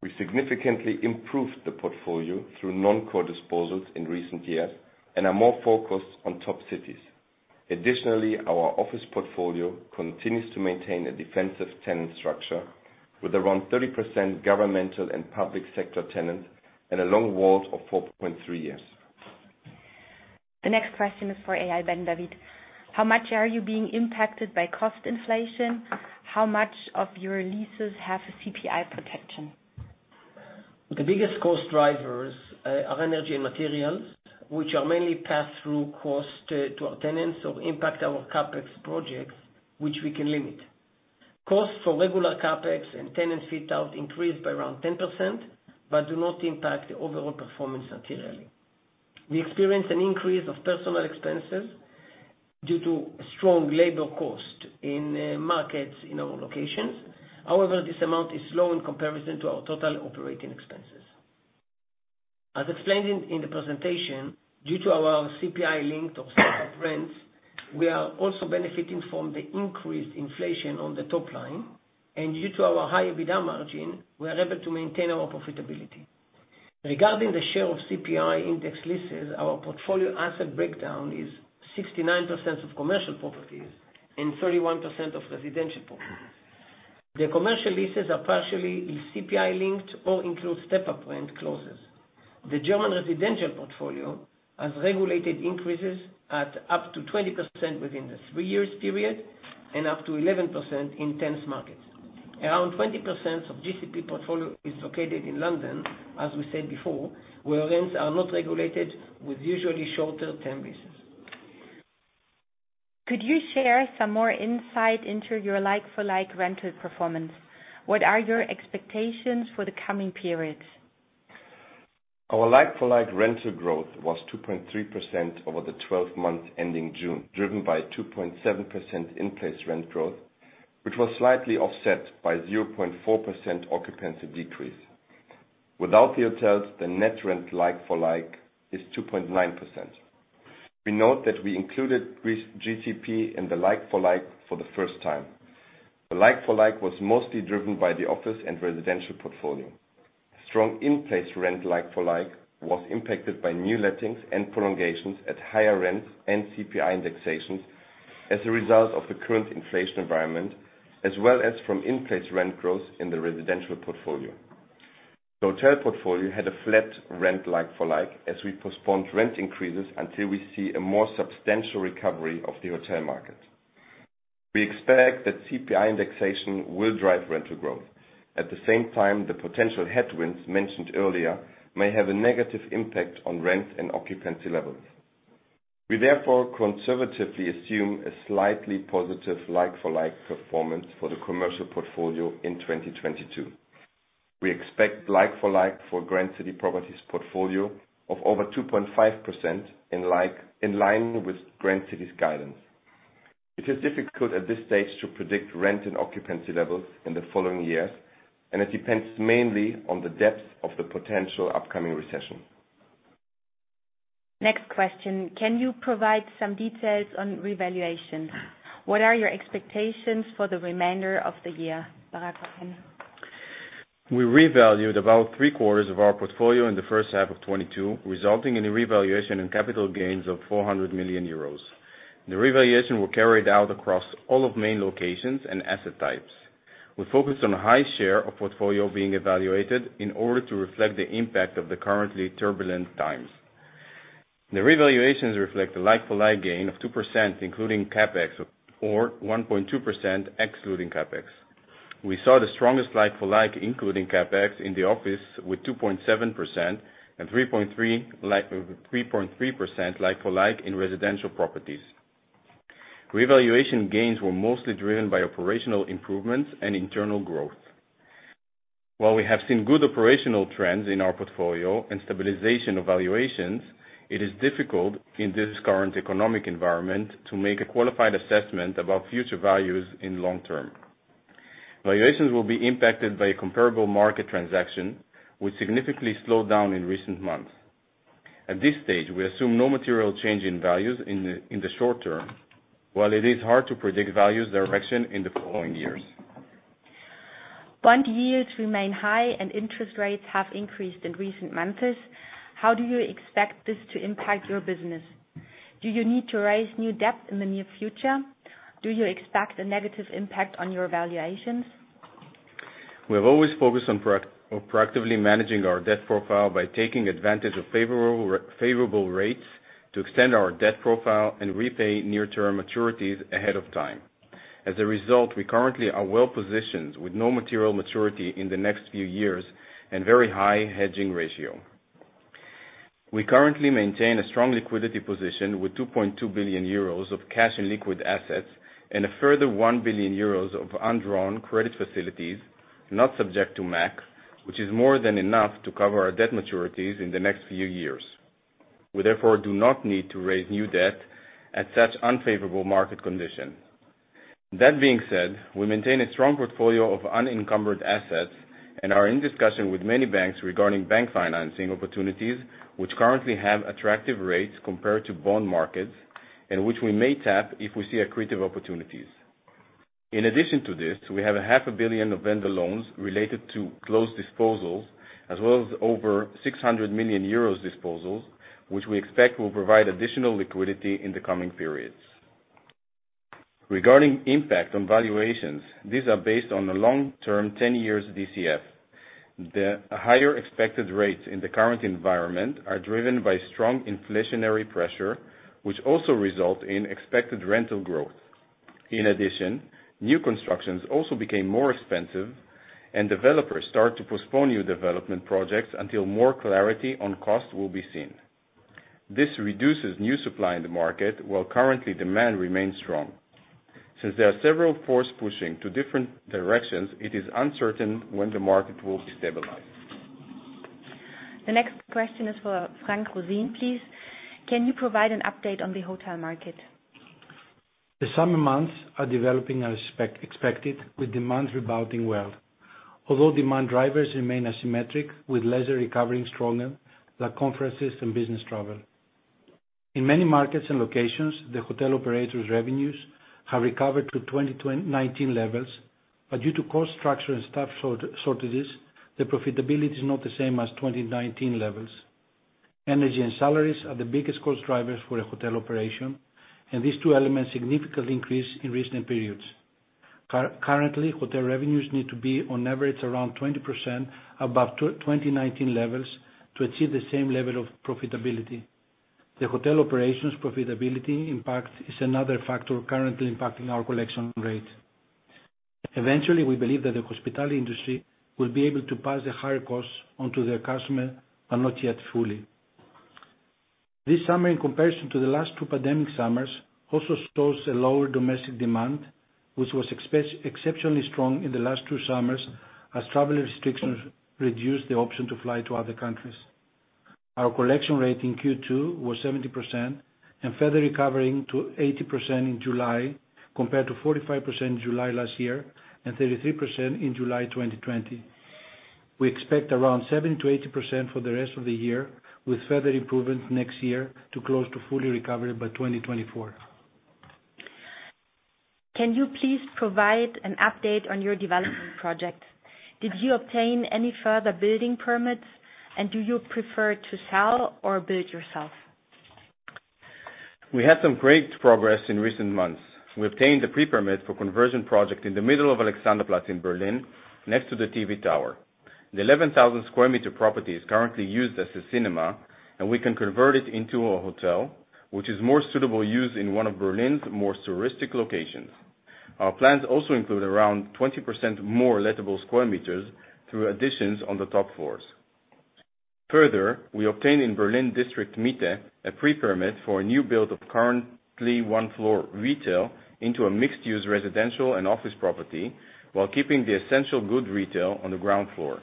We significantly improved the portfolio through non-core disposals in recent years and are more focused on top cities. Additionally, our office portfolio continues to maintain a defensive tenant structure with around 30% governmental and public sector tenants and a long WALT of 4.3 years. The next question is for Eyal Ben David. How much are you being impacted by cost inflation? How much of your leases have CPI protection? The biggest cost drivers are energy and materials, which are mainly pass-through costs to our tenants or impact our CapEx projects, which we can limit. Costs for regular CapEx and tenant fit-out increased by around 10%, but do not impact the overall performance materially. We experienced an increase of personnel expenses due to strong labor costs in markets in our locations. However, this amount is low in comparison to our total operating expenses. As explained in the presentation, due to our CPI-linked or step-up rents, we are also benefiting from the increased inflation on the top line, and due to our high EBITDA margin, we are able to maintain our profitability. Regarding the share of CPI index leases, our portfolio asset breakdown is 69% of commercial properties and 31% of residential properties. The commercial leases are partially CPI-linked or include step-up rent clauses. The German residential portfolio has regulated increases at up to 20% within the three-year period and up to 11% in tense markets. Around 20% of GCP portfolio is located in London, as we said before, where rents are not regulated with usually shorter tenures. Could you share some more insight into your like-for-like rental performance? What are your expectations for the coming periods? Our like-for-like rental growth was 2.3% over the 12 months ending June, driven by 2.7% in-place rent growth, which was slightly offset by 0.4% occupancy decrease. Without the hotels, the net rent like-for-like is 2.9%. We note that we included GCP in the like-for-like for the first time. The like-for-like was mostly driven by the office and residential portfolio. Strong in-place rent like-for-like was impacted by new lettings and prolongations at higher rents and CPI indexations as a result of the current inflation environment, as well as from in-place rent growth in the residential portfolio. The hotel portfolio had a flat rent like-for-like as we postponed rent increases until we see a more substantial recovery of the hotel market. We expect that CPI indexation will drive rental growth. At the same time, the potential headwinds mentioned earlier may have a negative impact on rent and occupancy levels. We therefore conservatively assume a slightly positive like-for-like performance for the commercial portfolio in 2022. We expect like-for-like for Grand City Properties portfolio of over 2.5% in line with Grand City's guidance. It is difficult at this stage to predict rent and occupancy levels in the following years, and it depends mainly on the depth of the potential upcoming recession. Next question. Can you provide some details on revaluation? What are your expectations for the remainder of the year? Barak Bar-Hen. We revalued about three-quarters of our portfolio in the first half of 2022, resulting in a revaluation and capital gains of 400 million euros. The revaluations were carried out across all our main locations and asset types. We focused on a high share of portfolio being evaluated in order to reflect the impact of the currently turbulent times. The revaluations reflect a like-for-like gain of 2%, including CapEx, or 1.2% excluding CapEx. We saw the strongest like-for-like, including CapEx, in the office with 2.7% and 3.3% like-for-like in residential properties. Revaluation gains were mostly driven by operational improvements and internal growth. While we have seen good operational trends in our portfolio and stabilization of valuations, it is difficult in this current economic environment to make a qualified assessment about future values in long term. Valuations will be impacted by comparable market transaction, which significantly slowed down in recent months. At this stage, we assume no material change in values in the short term, while it is hard to predict values direction in the following years. Bond yields remain high and interest rates have increased in recent months. How do you expect this to impact your business? Do you need to raise new debt in the near future? Do you expect a negative impact on your valuations? We have always focused on proactively managing our debt profile by taking advantage of favorable rates to extend our debt profile and repay near-term maturities ahead of time. As a result, we currently are well-positioned with no material maturity in the next few years and very high hedging ratio. We currently maintain a strong liquidity position with 2.2 billion euros of cash and liquid assets and a further 1 billion euros of undrawn credit facilities, not subject to MAC, which is more than enough to cover our debt maturities in the next few years. We therefore do not need to raise new debt at such unfavorable market condition. That being said, we maintain a strong portfolio of unencumbered assets and are in discussion with many banks regarding bank financing opportunities, which currently have attractive rates compared to bond markets and which we may tap if we see accretive opportunities. In addition to this, we have 0.5 billion of vendor loans related to closed disposals, as well as over 600 million euros disposals, which we expect will provide additional liquidity in the coming periods. Regarding impact on valuations, these are based on a long-term 10-year DCF. The higher expected rates in the current environment are driven by strong inflationary pressure, which also result in expected rental growth. In addition, new constructions also became more expensive and developers start to postpone new development projects until more clarity on cost will be seen. This reduces new supply in the market, while currently demand remains strong. Since there are several forces pushing to different directions, it is uncertain when the market will be stabilized. The next question is for Frank Roseen, please. Can you provide an update on the hotel market? The summer months are developing as expected, with demand rebounding well. Although demand drivers remain asymmetric with leisure recovering stronger than conferences and business travel. In many markets and locations, the hotel operators revenues have recovered to 2019 levels, but due to cost structure and staff shortages, the profitability is not the same as 2019 levels. Energy and salaries are the biggest cost drivers for a hotel operation, and these two elements significantly increased in recent periods. Currently, hotel revenues need to be on average around 20% above 2019 levels to achieve the same level of profitability. The hotel operations profitability impact is another factor currently impacting our collection rate. Eventually, we believe that the hospitality industry will be able to pass the higher costs on to their customer, but not yet fully. This summer, in comparison to the last two pandemic summers, also shows a lower domestic demand, which was exceptionally strong in the last two summers as travel restrictions reduced the option to fly to other countries. Our collection rate in Q2 was 70% and further recovering to 80% in July, compared to 45% in July last year and 33% in July 2020. We expect around 70%-80% for the rest of the year, with further improvement next year to close to full recovery by 2024. Can you please provide an update on your development project? Did you obtain any further building permits, and do you prefer to sell or build yourself? We had some great progress in recent months. We obtained a pre-permit for conversion project in the middle of Alexanderplatz in Berlin, next to the TV tower. The 11,000 sqm property is currently used as a cinema, and we can convert it into a hotel, which is more suitable use in one of Berlin's more touristic locations. Our plans also include around 20% more lettable square meters through additions on the top floors. Further, we obtained in Berlin district Mitte a pre-permit for a new build of currently one-floor retail into a mixed-use residential and office property, while keeping the essential good retail on the ground floor.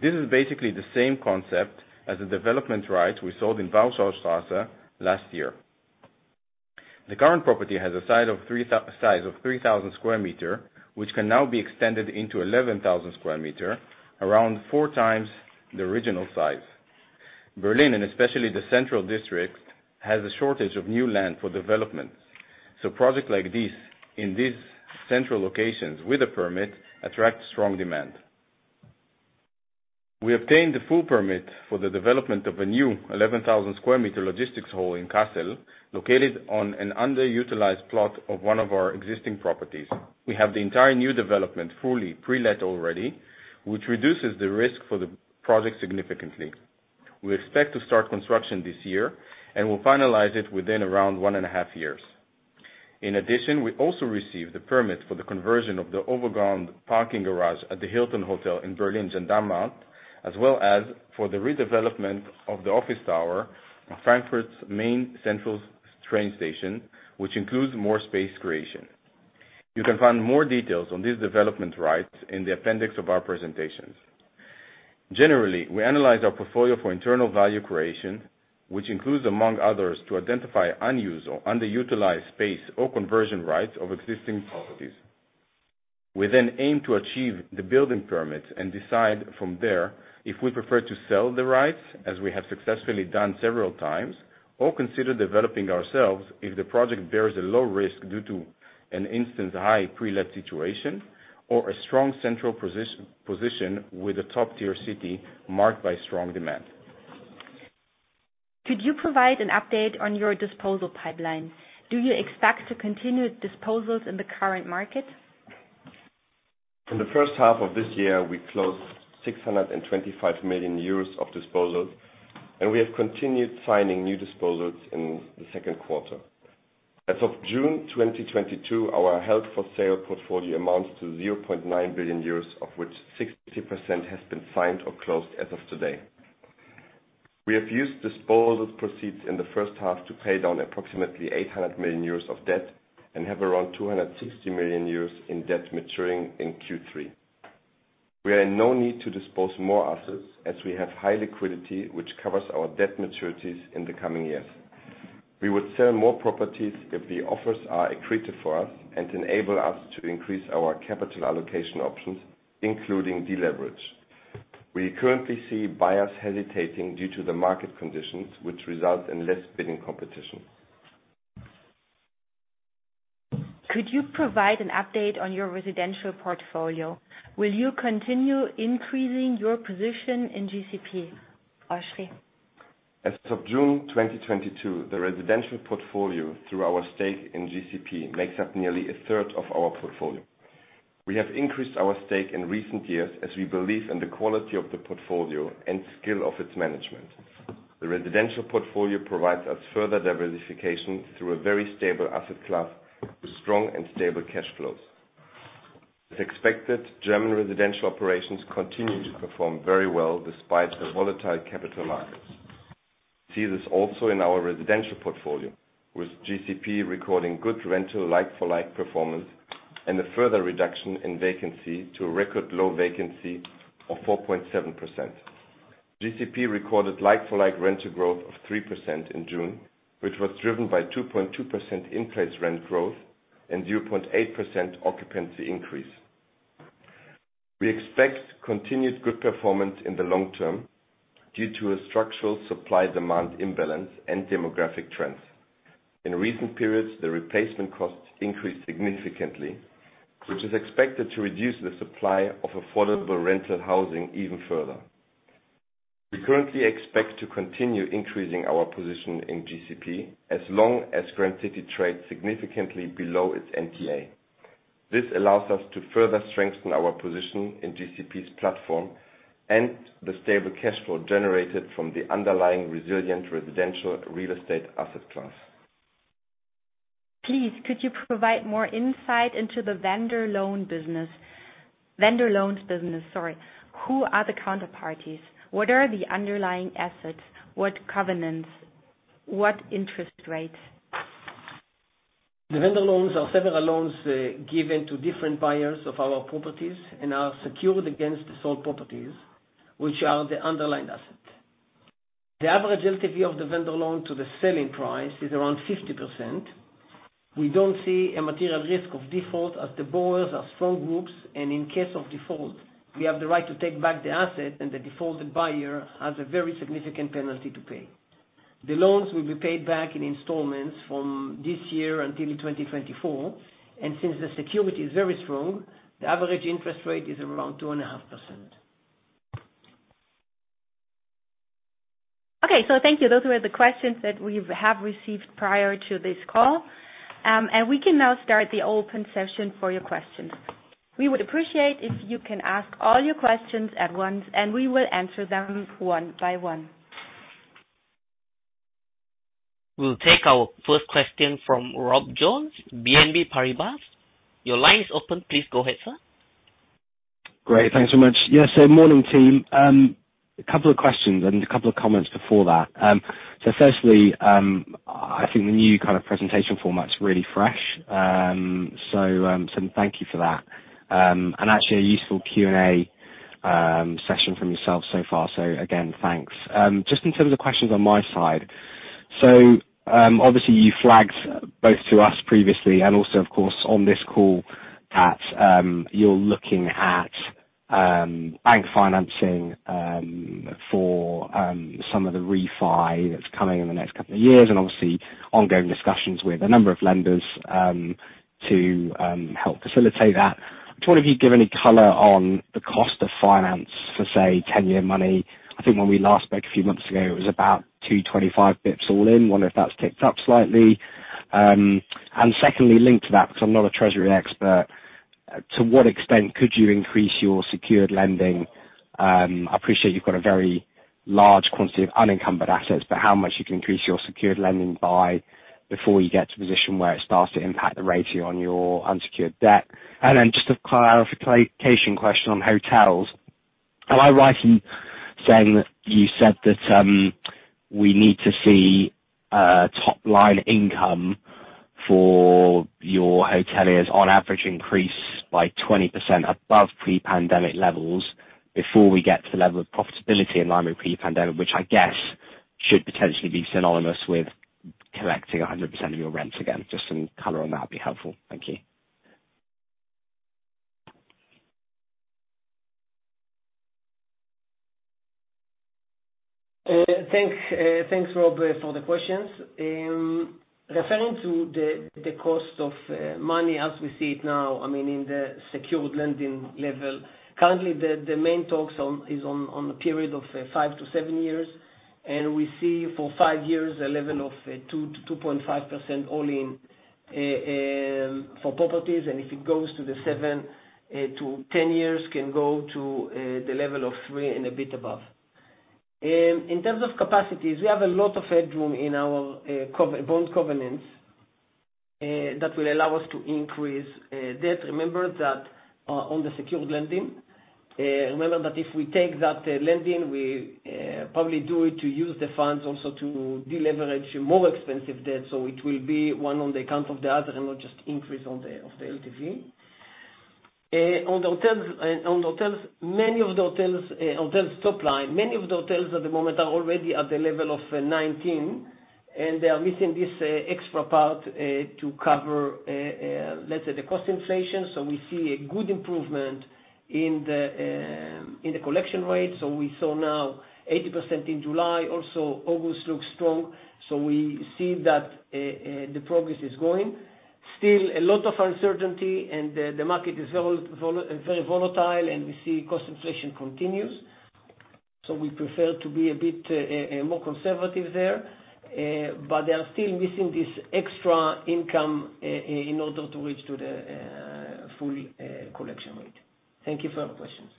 This is basically the same concept as the development rights we sold in Warschauer Straße last year. The current property has a size of 3,000 square meters, which can now be extended into 11,000 sqm, around 4x the original size. Berlin, and especially the central district, has a shortage of new land for development, so projects like this in these central locations with a permit attract strong demand. We obtained the full permit for the development of a new 11,000 sqm logistics hall in Kassel, located on an underutilized plot of one of our existing properties. We have the entire new development fully pre-let already, which reduces the risk for the project significantly. We expect to start construction this year, and we'll finalize it within around 1.5 years. In addition, we also received the permits for the conversion of the overground parking garage at the Hilton Hotel in Berlin Gendarmenmarkt, as well as for the redevelopment of the office tower on Frankfurt's main central S-train station, which includes more space creation. You can find more details on these development rights in the appendix of our presentations. Generally, we analyze our portfolio for internal value creation, which includes, among others, to identify unused or underutilized space or conversion rights of existing properties. We then aim to achieve the building permits and decide from there if we prefer to sell the rights, as we have successfully done several times, or consider developing ourselves if the project bears a low risk due to an existing high pre-let situation or a strong central position with a top-tier city market by strong demand. Could you provide an update on your disposal pipeline? Do you expect to continue disposals in the current market? In the first half of this year, we closed 625 million euros of disposals, and we have continued signing new disposals in the second quarter. As of June 2022, our held for sale portfolio amounts to 0.9 billion euros, of which 60% has been signed or closed as of today. We have used disposals proceeds in the first half to pay down approximately 800 million euros of debt and have around 260 million euros in debt maturing in Q3. We are in no need to dispose more assets as we have high liquidity, which covers our debt maturities in the coming years. We would sell more properties if the offers are accretive for us and enable us to increase our capital allocation options, including deleverage. We currently see buyers hesitating due to the market conditions, which result in less bidding competition. Could you provide an update on your residential portfolio? Will you continue increasing your position in GCP? Oschrie Massatschi. As of June 2022, the residential portfolio through our stake in GCP makes up nearly a third of our portfolio. We have increased our stake in recent years as we believe in the quality of the portfolio and skill of its management. The residential portfolio provides us further diversification through a very stable asset class with strong and stable cash flows. As expected, German residential operations continue to perform very well despite the volatile capital markets. See this also in our residential portfolio, with GCP recording good rental like-for-like performance and a further reduction in vacancy to a record low vacancy of 4.7%. GCP recorded like-for-like rental growth of 3% in June, which was driven by 2.2% in-place rent growth and 0.8% occupancy increase. We expect continued good performance in the long term due to a structural supply-demand imbalance and demographic trends. In recent periods, the replacement costs increased significantly, which is expected to reduce the supply of affordable rental housing even further. We currently expect to continue increasing our position in GCP as long as Grand City trades significantly below its NTA. This allows us to further strengthen our position in GCP's platform and the stable cash flow generated from the underlying resilient residential real estate asset class. Please, could you provide more insight into the vendor loans business? Sorry. Who are the counterparties? What are the underlying assets? What covenants? What interest rates? The vendor loans are several loans, given to different buyers of our properties and are secured against the sold properties, which are the underlying asset. The average LTV of the vendor loan to the selling price is around 50%. We don't see a material risk of default as the borrowers are strong groups, and in case of default, we have the right to take back the asset, and the defaulted buyer has a very significant penalty to pay. The loans will be paid back in installments from this year until 2024, and since the security is very strong, the average interest rate is around 2.5%. Okay. Thank you. Those were the questions that we have received prior to this call. We can now start the open session for your questions. We would appreciate if you can ask all your questions at once, and we will answer them one by one. We'll take our first question from Rob Jones, BNP Paribas. Your line is open. Please go ahead, sir. Great. Thanks so much. Yes, morning team. A couple of questions and a couple of comments before that. Firstly, I think the new kind of presentation format's really fresh. Thank you for that. Actually a useful Q&A session from yourself so far. Again, thanks. Just in terms of questions on my side. Obviously you flagged both to us previously and also of course on this call that you're looking at bank financing for some of the refi that's coming in the next couple of years and obviously ongoing discussions with a number of lenders to help facilitate that. I just wonder if you'd give any color on the cost of finance for, say, 10-year money. I think when we last spoke a few months ago, it was about 225 basis points all in. Wonder if that's ticked up slightly. Secondly, linked to that, because I'm not a treasury expert, to what extent could you increase your secured lending? I appreciate you've got a very large quantity of unencumbered assets, but how much you can increase your secured lending by before you get to a position where it starts to impact the ratio on your unsecured debt. Just a clarification question on hotels. Am I right in saying that you said that we need to see top-line income for your hoteliers on average increase by 20% above pre-pandemic levels before we get to the level of profitability in line with pre-pandemic, which I guess should potentially be synonymous with collecting 100% of your rents again? Just some color on that would be helpful. Thank you. Thanks, Rob, for the questions. Referring to the cost of money as we see it now, I mean, in the secured lending level. Currently, the main talks are on a period of 5-7 years, and we see for five years a level of 2%-2.5% all in for properties. If it goes to 7-10 years, it can go to the level of 3% and a bit above. In terms of capacities, we have a lot of headroom in our covered bond covenants that will allow us to increase debt. Remember that on the secured lending, if we take that lending, we probably do it to use the funds also to deleverage more expensive debt. It will be one on the account of the other and not just increase on the LTV. On the hotels, many of the hotels at the moment are already at the level of 19%, and they are missing this extra part to cover, let's say, the cost inflation. We see a good improvement in the collection rate. We saw now 80% in July. Also, August looks strong, we see that the progress is going. Still a lot of uncertainty, and the market is very volatile, and we see cost inflation continues. We prefer to be a bit more conservative there. They are still missing this extra income in order to reach the full collection rate. Thank you for your questions.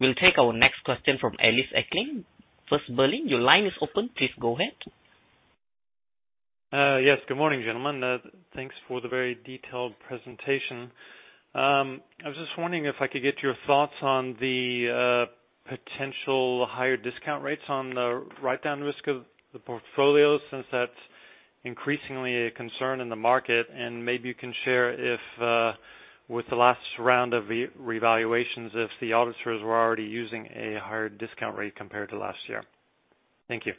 We'll take our next question from Ellis Acklin, First Berlin, your line is open, please go ahead. Yes, good morning, gentlemen. Thanks for the very detailed presentation. I was just wondering if I could get your thoughts on the potential higher discount rates on the write-down risk of the portfolio since that's increasingly a concern in the market. Maybe you can share if with the last round of revaluations, if the auditors were already using a higher discount rate compared to last year. Thank you.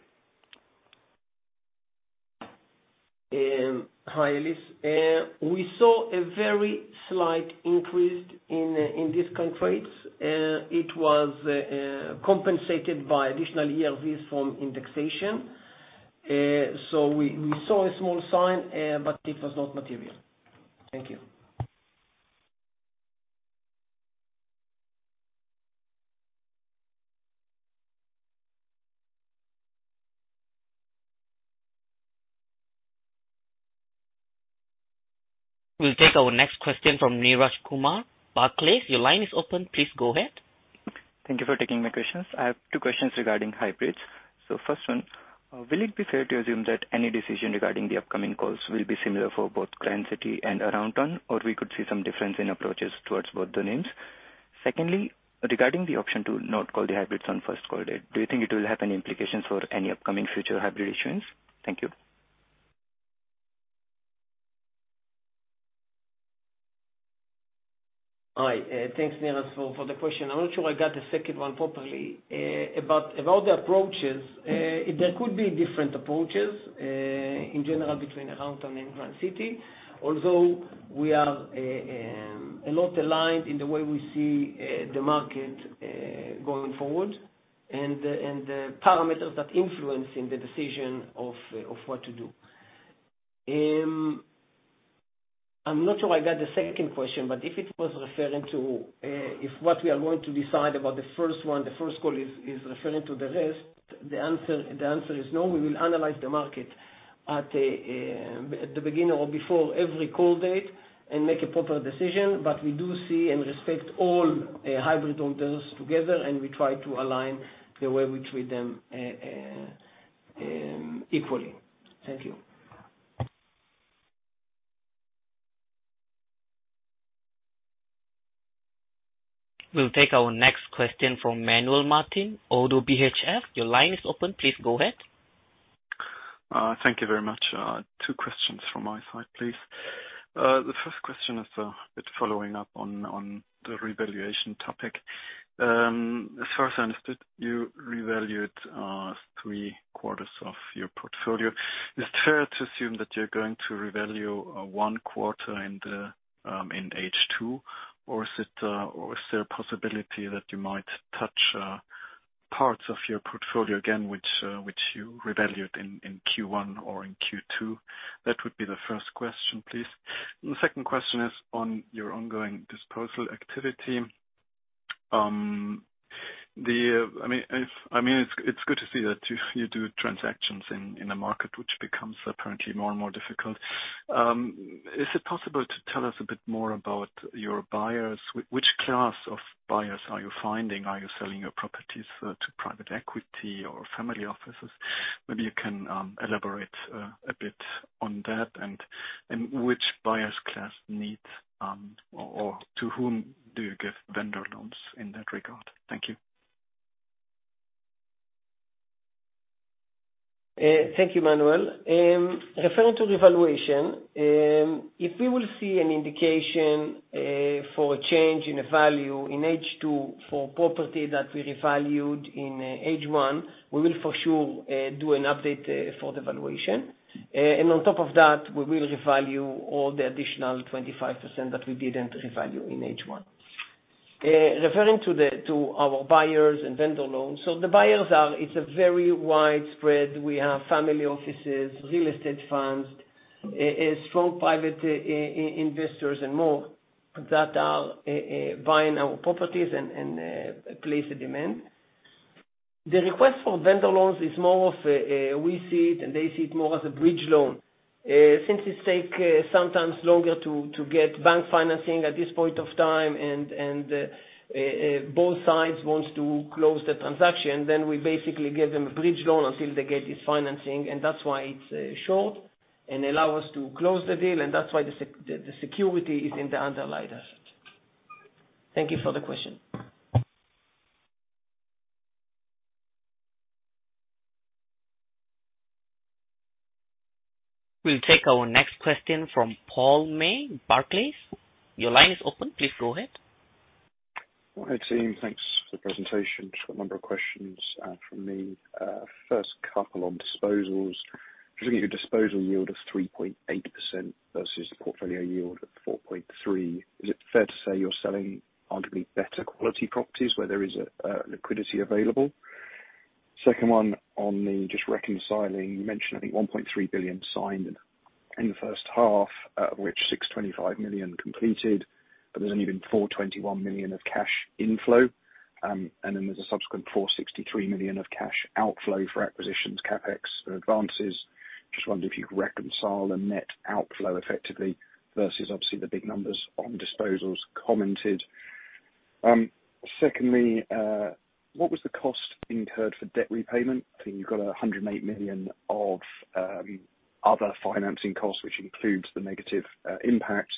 Hi, Ellis Acklin. We saw a very slight increase in discount rates. It was compensated by additional ERV from indexation. We saw a small gain, but it was not material. Thank you. We'll take our next question from Neeraj Kumar. Barclays, your line is open. Please go ahead. Thank you for taking my questions. I have two questions regarding hybrids. First one, will it be fair to assume that any decision regarding the upcoming calls will be similar for both Grand City and Aroundtown, or we could see some difference in approaches towards both the names? Secondly, regarding the option to not call the hybrids on first call date, do you think it will have any implications for any upcoming future hybrid issuance? Thank you. Hi, thanks Neeraj for the question. I'm not sure I got the second one properly. About the approaches, there could be different approaches in general between Aroundtown and Grand City. Although we are a lot aligned in the way we see the market going forward, and the parameters that influence in the decision of what to do. I'm not sure I got the second question, but if it was referring to if what we are going to decide about the first one, the first call is referring to the rest, the answer is no. We will analyze the market at the beginning or before every call date and make a proper decision. We do see and respect all hybrid holders together, and we try to align the way we treat them equally. Thank you. We'll take our next question from Manuel Martin, ODDO BHF. Your line is open. Please go ahead. Thank you very much. Two questions from my side, please. The first question is, it's following up on the revaluation topic. As far as I understood, you revalued three-quarters of your portfolio. Is it fair to assume that you're going to revalue one quarter in H2? Or is there a possibility that you might touch parts of your portfolio again, which you revalued in Q1 or in Q2? That would be the first question, please. The second question is on your ongoing disposal activity. It's good to see that you do transactions in a market which becomes apparently more and more difficult. Is it possible to tell us a bit more about your buyers? Which class of buyers are you finding? Are you selling your properties to private equity or family offices? Maybe you can elaborate a bit on that. Which buyers class needs, or to whom do you give vendor loans in that regard? Thank you. Thank you, Manuel. Referring to the valuation, if we will see an indication for a change in the value in H2 for property that we revalued in H1, we will for sure do an update for the valuation. On top of that, we will revalue all the additional 25% that we didn't revalue in H1. Referring to our buyers and vendor loans, the buyers are very widespread. We have family offices, real estate funds, strong private investors and more that are buying our properties and placing demand. The request for vendor loans is more of, we see it and they see it more as a bridge loan. Since it take sometimes longer to get bank financing at this point of time and both sides wants to close the transaction, then we basically give them a bridge loan until they get this financing. That's why it's short and allow us to close the deal, and that's why the security is in the underlying asset. Thank you for the question. We'll take our next question from Paul May, Barclays. Your line is open. Please go ahead. Hi team. Thanks for the presentation. Just got a number of questions from me. First couple on disposals. Just looking at your disposal yield of 3.8% versus the portfolio yield of 4.3%, is it fair to say you're selling arguably better quality properties where there is a liquidity available? Second one on the just reconciling, you mentioned, I think 1.3 billion signed and- In the first half, which 625 million completed, but there's only been 421 million of cash inflow. Then there's a subsequent 463 million of cash outflow for acquisitions CapEx for advances. Just wondered if you could reconcile the net outflow effectively versus obviously the big numbers on disposals commented. Secondly, what was the cost incurred for debt repayment? I think you've got 108 million of other financing costs, which includes the negative impact.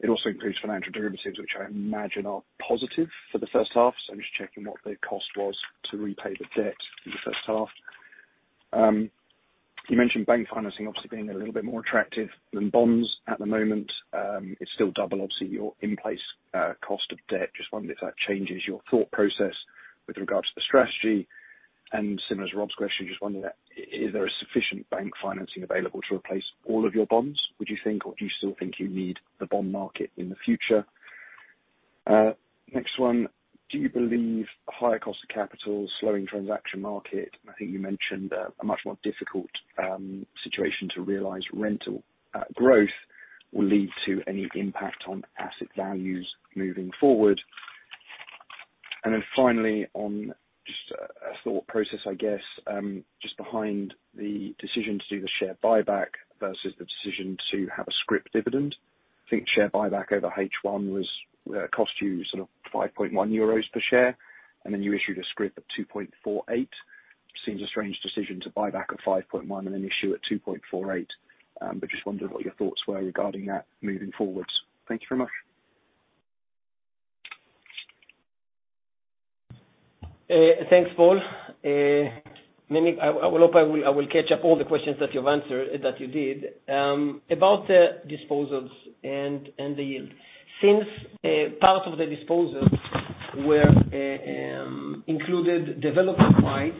It also includes financial derivatives, which I imagine are positive for the first half. I'm just checking what the cost was to repay the debt in the first half. You mentioned bank financing obviously being a little bit more attractive than bonds at the moment. It's still double obviously your in-place cost of debt. Just wondering if that changes your thought process with regards to the strategy. Similar to Rob's question, just wondering, is there a sufficient bank financing available to replace all of your bonds, would you think? Or do you still think you need the bond market in the future? Next one. Do you believe higher cost of capital, slowing transaction market, I think you mentioned a much more difficult situation to realize rental growth will lead to any impact on asset values moving forward. Finally, on just a thought process I guess, just behind the decision to do the share buyback versus the decision to have a scrip dividend. I think share buyback over H1 was cost you 5.1 euros per share, and then you issued a scrip of 2.48. Seems a strange decision to buy back at 5.1% and then issue at 2.48%. Just wondered what your thoughts were regarding that moving forward. Thank you very much. Thanks, Paul. Maybe I will catch up all the questions that you've answered, that you did. About the disposals and the yield. Since part of the disposals were included development-wise,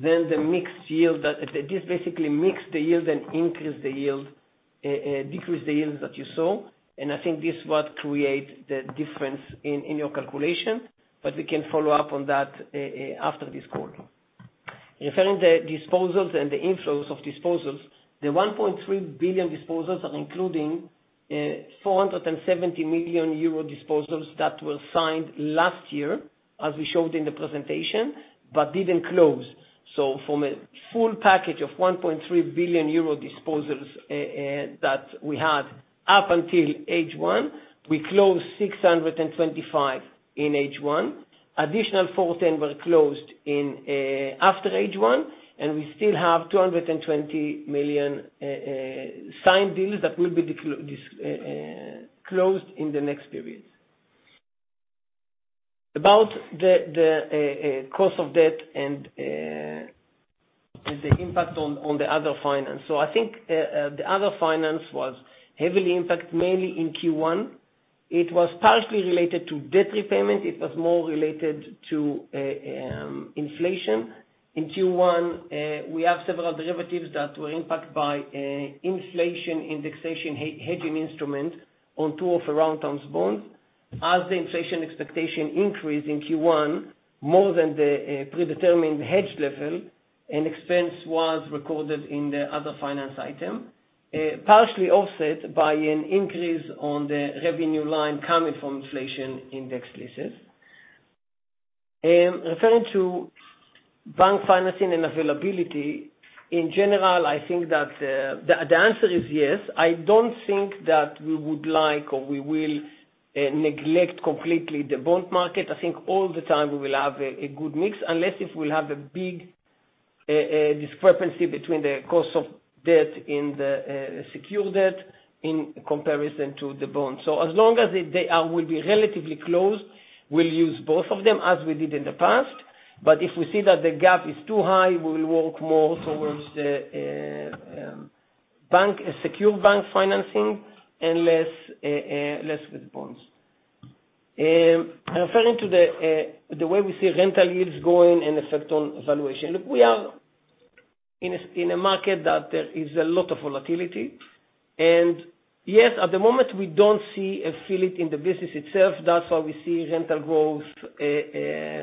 then the mixed yield that this basically mixed the yield and increased the yield, decreased the yields that you saw, and I think this what create the difference in your calculation, but we can follow up on that after this call. Regarding the disposals and the inflows of disposals, the 1.3 billion disposals are including 470 million euro disposals that were signed last year, as we showed in the presentation, but didn't close. From a full package of 1.3 billion euro disposals that we had up until H1, we closed 625 million in H1. Additional 410 million were closed in after H1, and we still have 220 million signed deals that will be closed in the next period. About the cost of debt and the impact on the other finance. I think the other finance was heavily impact mainly in Q1. It was partially related to debt repayment. It was more related to inflation. In Q1, we have several derivatives that were impacted by inflation indexation hedging instrument on two of our Aroundtown bonds. As the inflation expectation increased in Q1 more than the predetermined hedge level, an expense was recorded in the other finance item, partially offset by an increase on the revenue line coming from inflation index leases. Referring to bank financing and availability, in general, I think that the answer is yes. I don't think that we would like or we will neglect completely the bond market. I think all the time we will have a good mix, unless if we'll have a big discrepancy between the cost of debt in the secured debt in comparison to the bond. So as long as they will be relatively close, we'll use both of them as we did in the past. If we see that the gap is too high, we will work more towards the bank, secure bank financing and less with bonds. Referring to the way we see rental yields going and effect on valuation. Look, we are in a market that there is a lot of volatility. Yes, at the moment we don't feel it in the business itself. That's why we see rental growth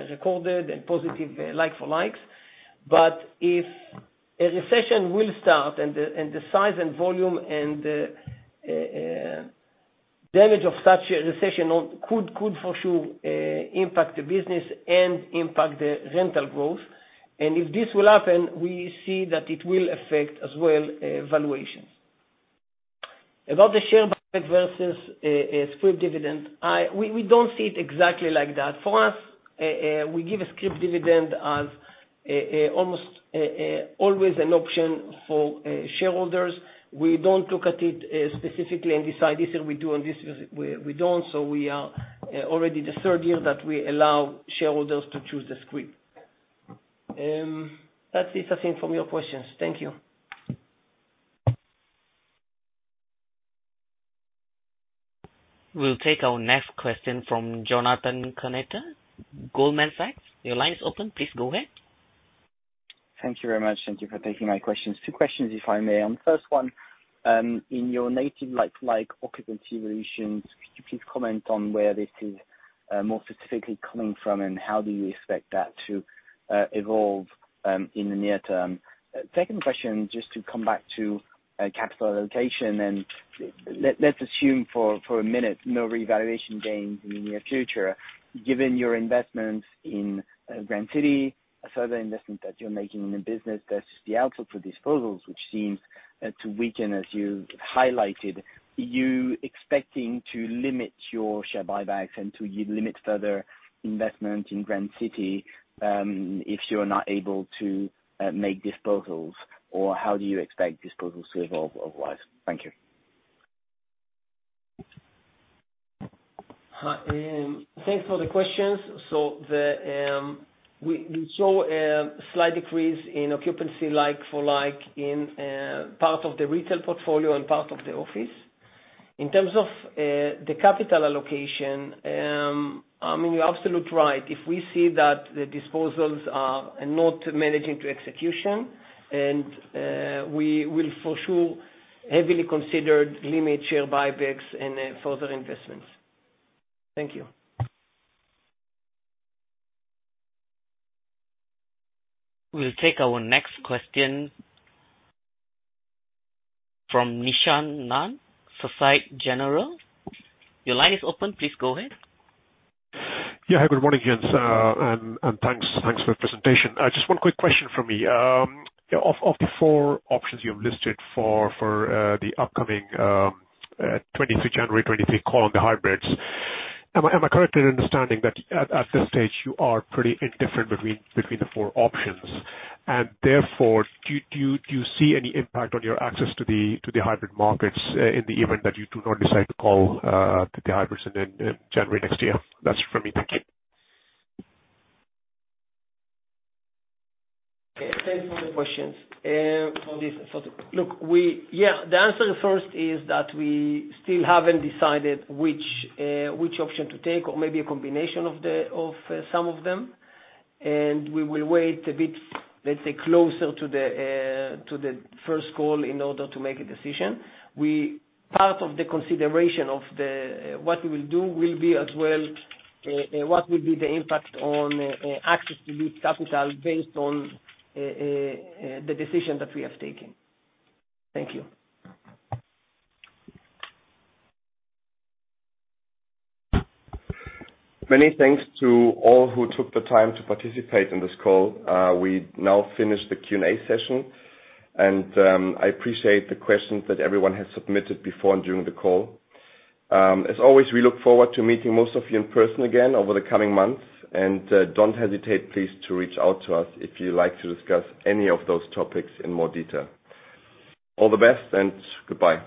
recorded and positive like-for-like. If a recession will start and the size and volume and damage of such a recession could for sure impact the business and impact the rental growth. If this will happen, we see that it will affect as well valuations. About the share buyback versus scrip dividend. We don't see it exactly like that. For us, we give a scrip dividend as almost always an option for shareholders. We don't look at it specifically and decide this is we do and this is we don't. We are already the third year that we allow shareholders to choose the scrip. That's it I think from your questions. Thank you. We'll take our next question from Jonathan Kownator, Goldman Sachs. Your line is open. Please go ahead. Thank you very much. Thank you for taking my questions. Two questions if I may. First one, in your net like-for-like occupancy ratio, could you please comment on where this is? More specifically coming from and how do you expect that to evolve in the near term? Second question, just to come back to capital allocation, and let's assume for a minute no revaluation gains in the near future. Given your investments in Grand City, further investment that you're making in the business versus the outlook for disposals, which seems to weaken as you highlighted, you expecting to limit your share buybacks and to limit further investment in Grand City, if you're not able to make disposals or how do you expect disposals to evolve otherwise? Thank you. Hi, thanks for the questions. We saw a slight decrease in occupancy like-for-like in part of the retail portfolio and part of the office. In terms of the capital allocation, I mean, you're absolutely right. If we see that the disposals are not managing to execution, we will for sure heavily consider limiting share buybacks and then further investments. Thank you. We'll take our next question from Nishant Nanda, Societe Generale. Your line is open. Please go ahead. Yeah. Hi, good morning, Jens. Thanks for the presentation. Just one quick question from me. Of the four options you have listed for the upcoming twenty-three January 2023 call on the hybrids. Am I correct in understanding that at this stage you are pretty indifferent between the four options and therefore do you see any impact on your access to the hybrid markets in the event that you do not decide to call the hybrids in January next year? That's from me. Thank you. Thanks for the questions. Look, yeah, the answer first is that we still haven't decided which option to take or maybe a combination of some of them, and we will wait a bit, let's say, closer to the first call in order to make a decision. Part of the consideration of what we will do will be as well what will be the impact on access to new capital based on the decision that we have taken. Thank you. Many thanks to all who took the time to participate in this call. We now finish the Q&A session and, I appreciate the questions that everyone has submitted before and during the call. As always, we look forward to meeting most of you in person again over the coming months, and, don't hesitate please to reach out to us if you'd like to discuss any of those topics in more detail. All the best and goodbye.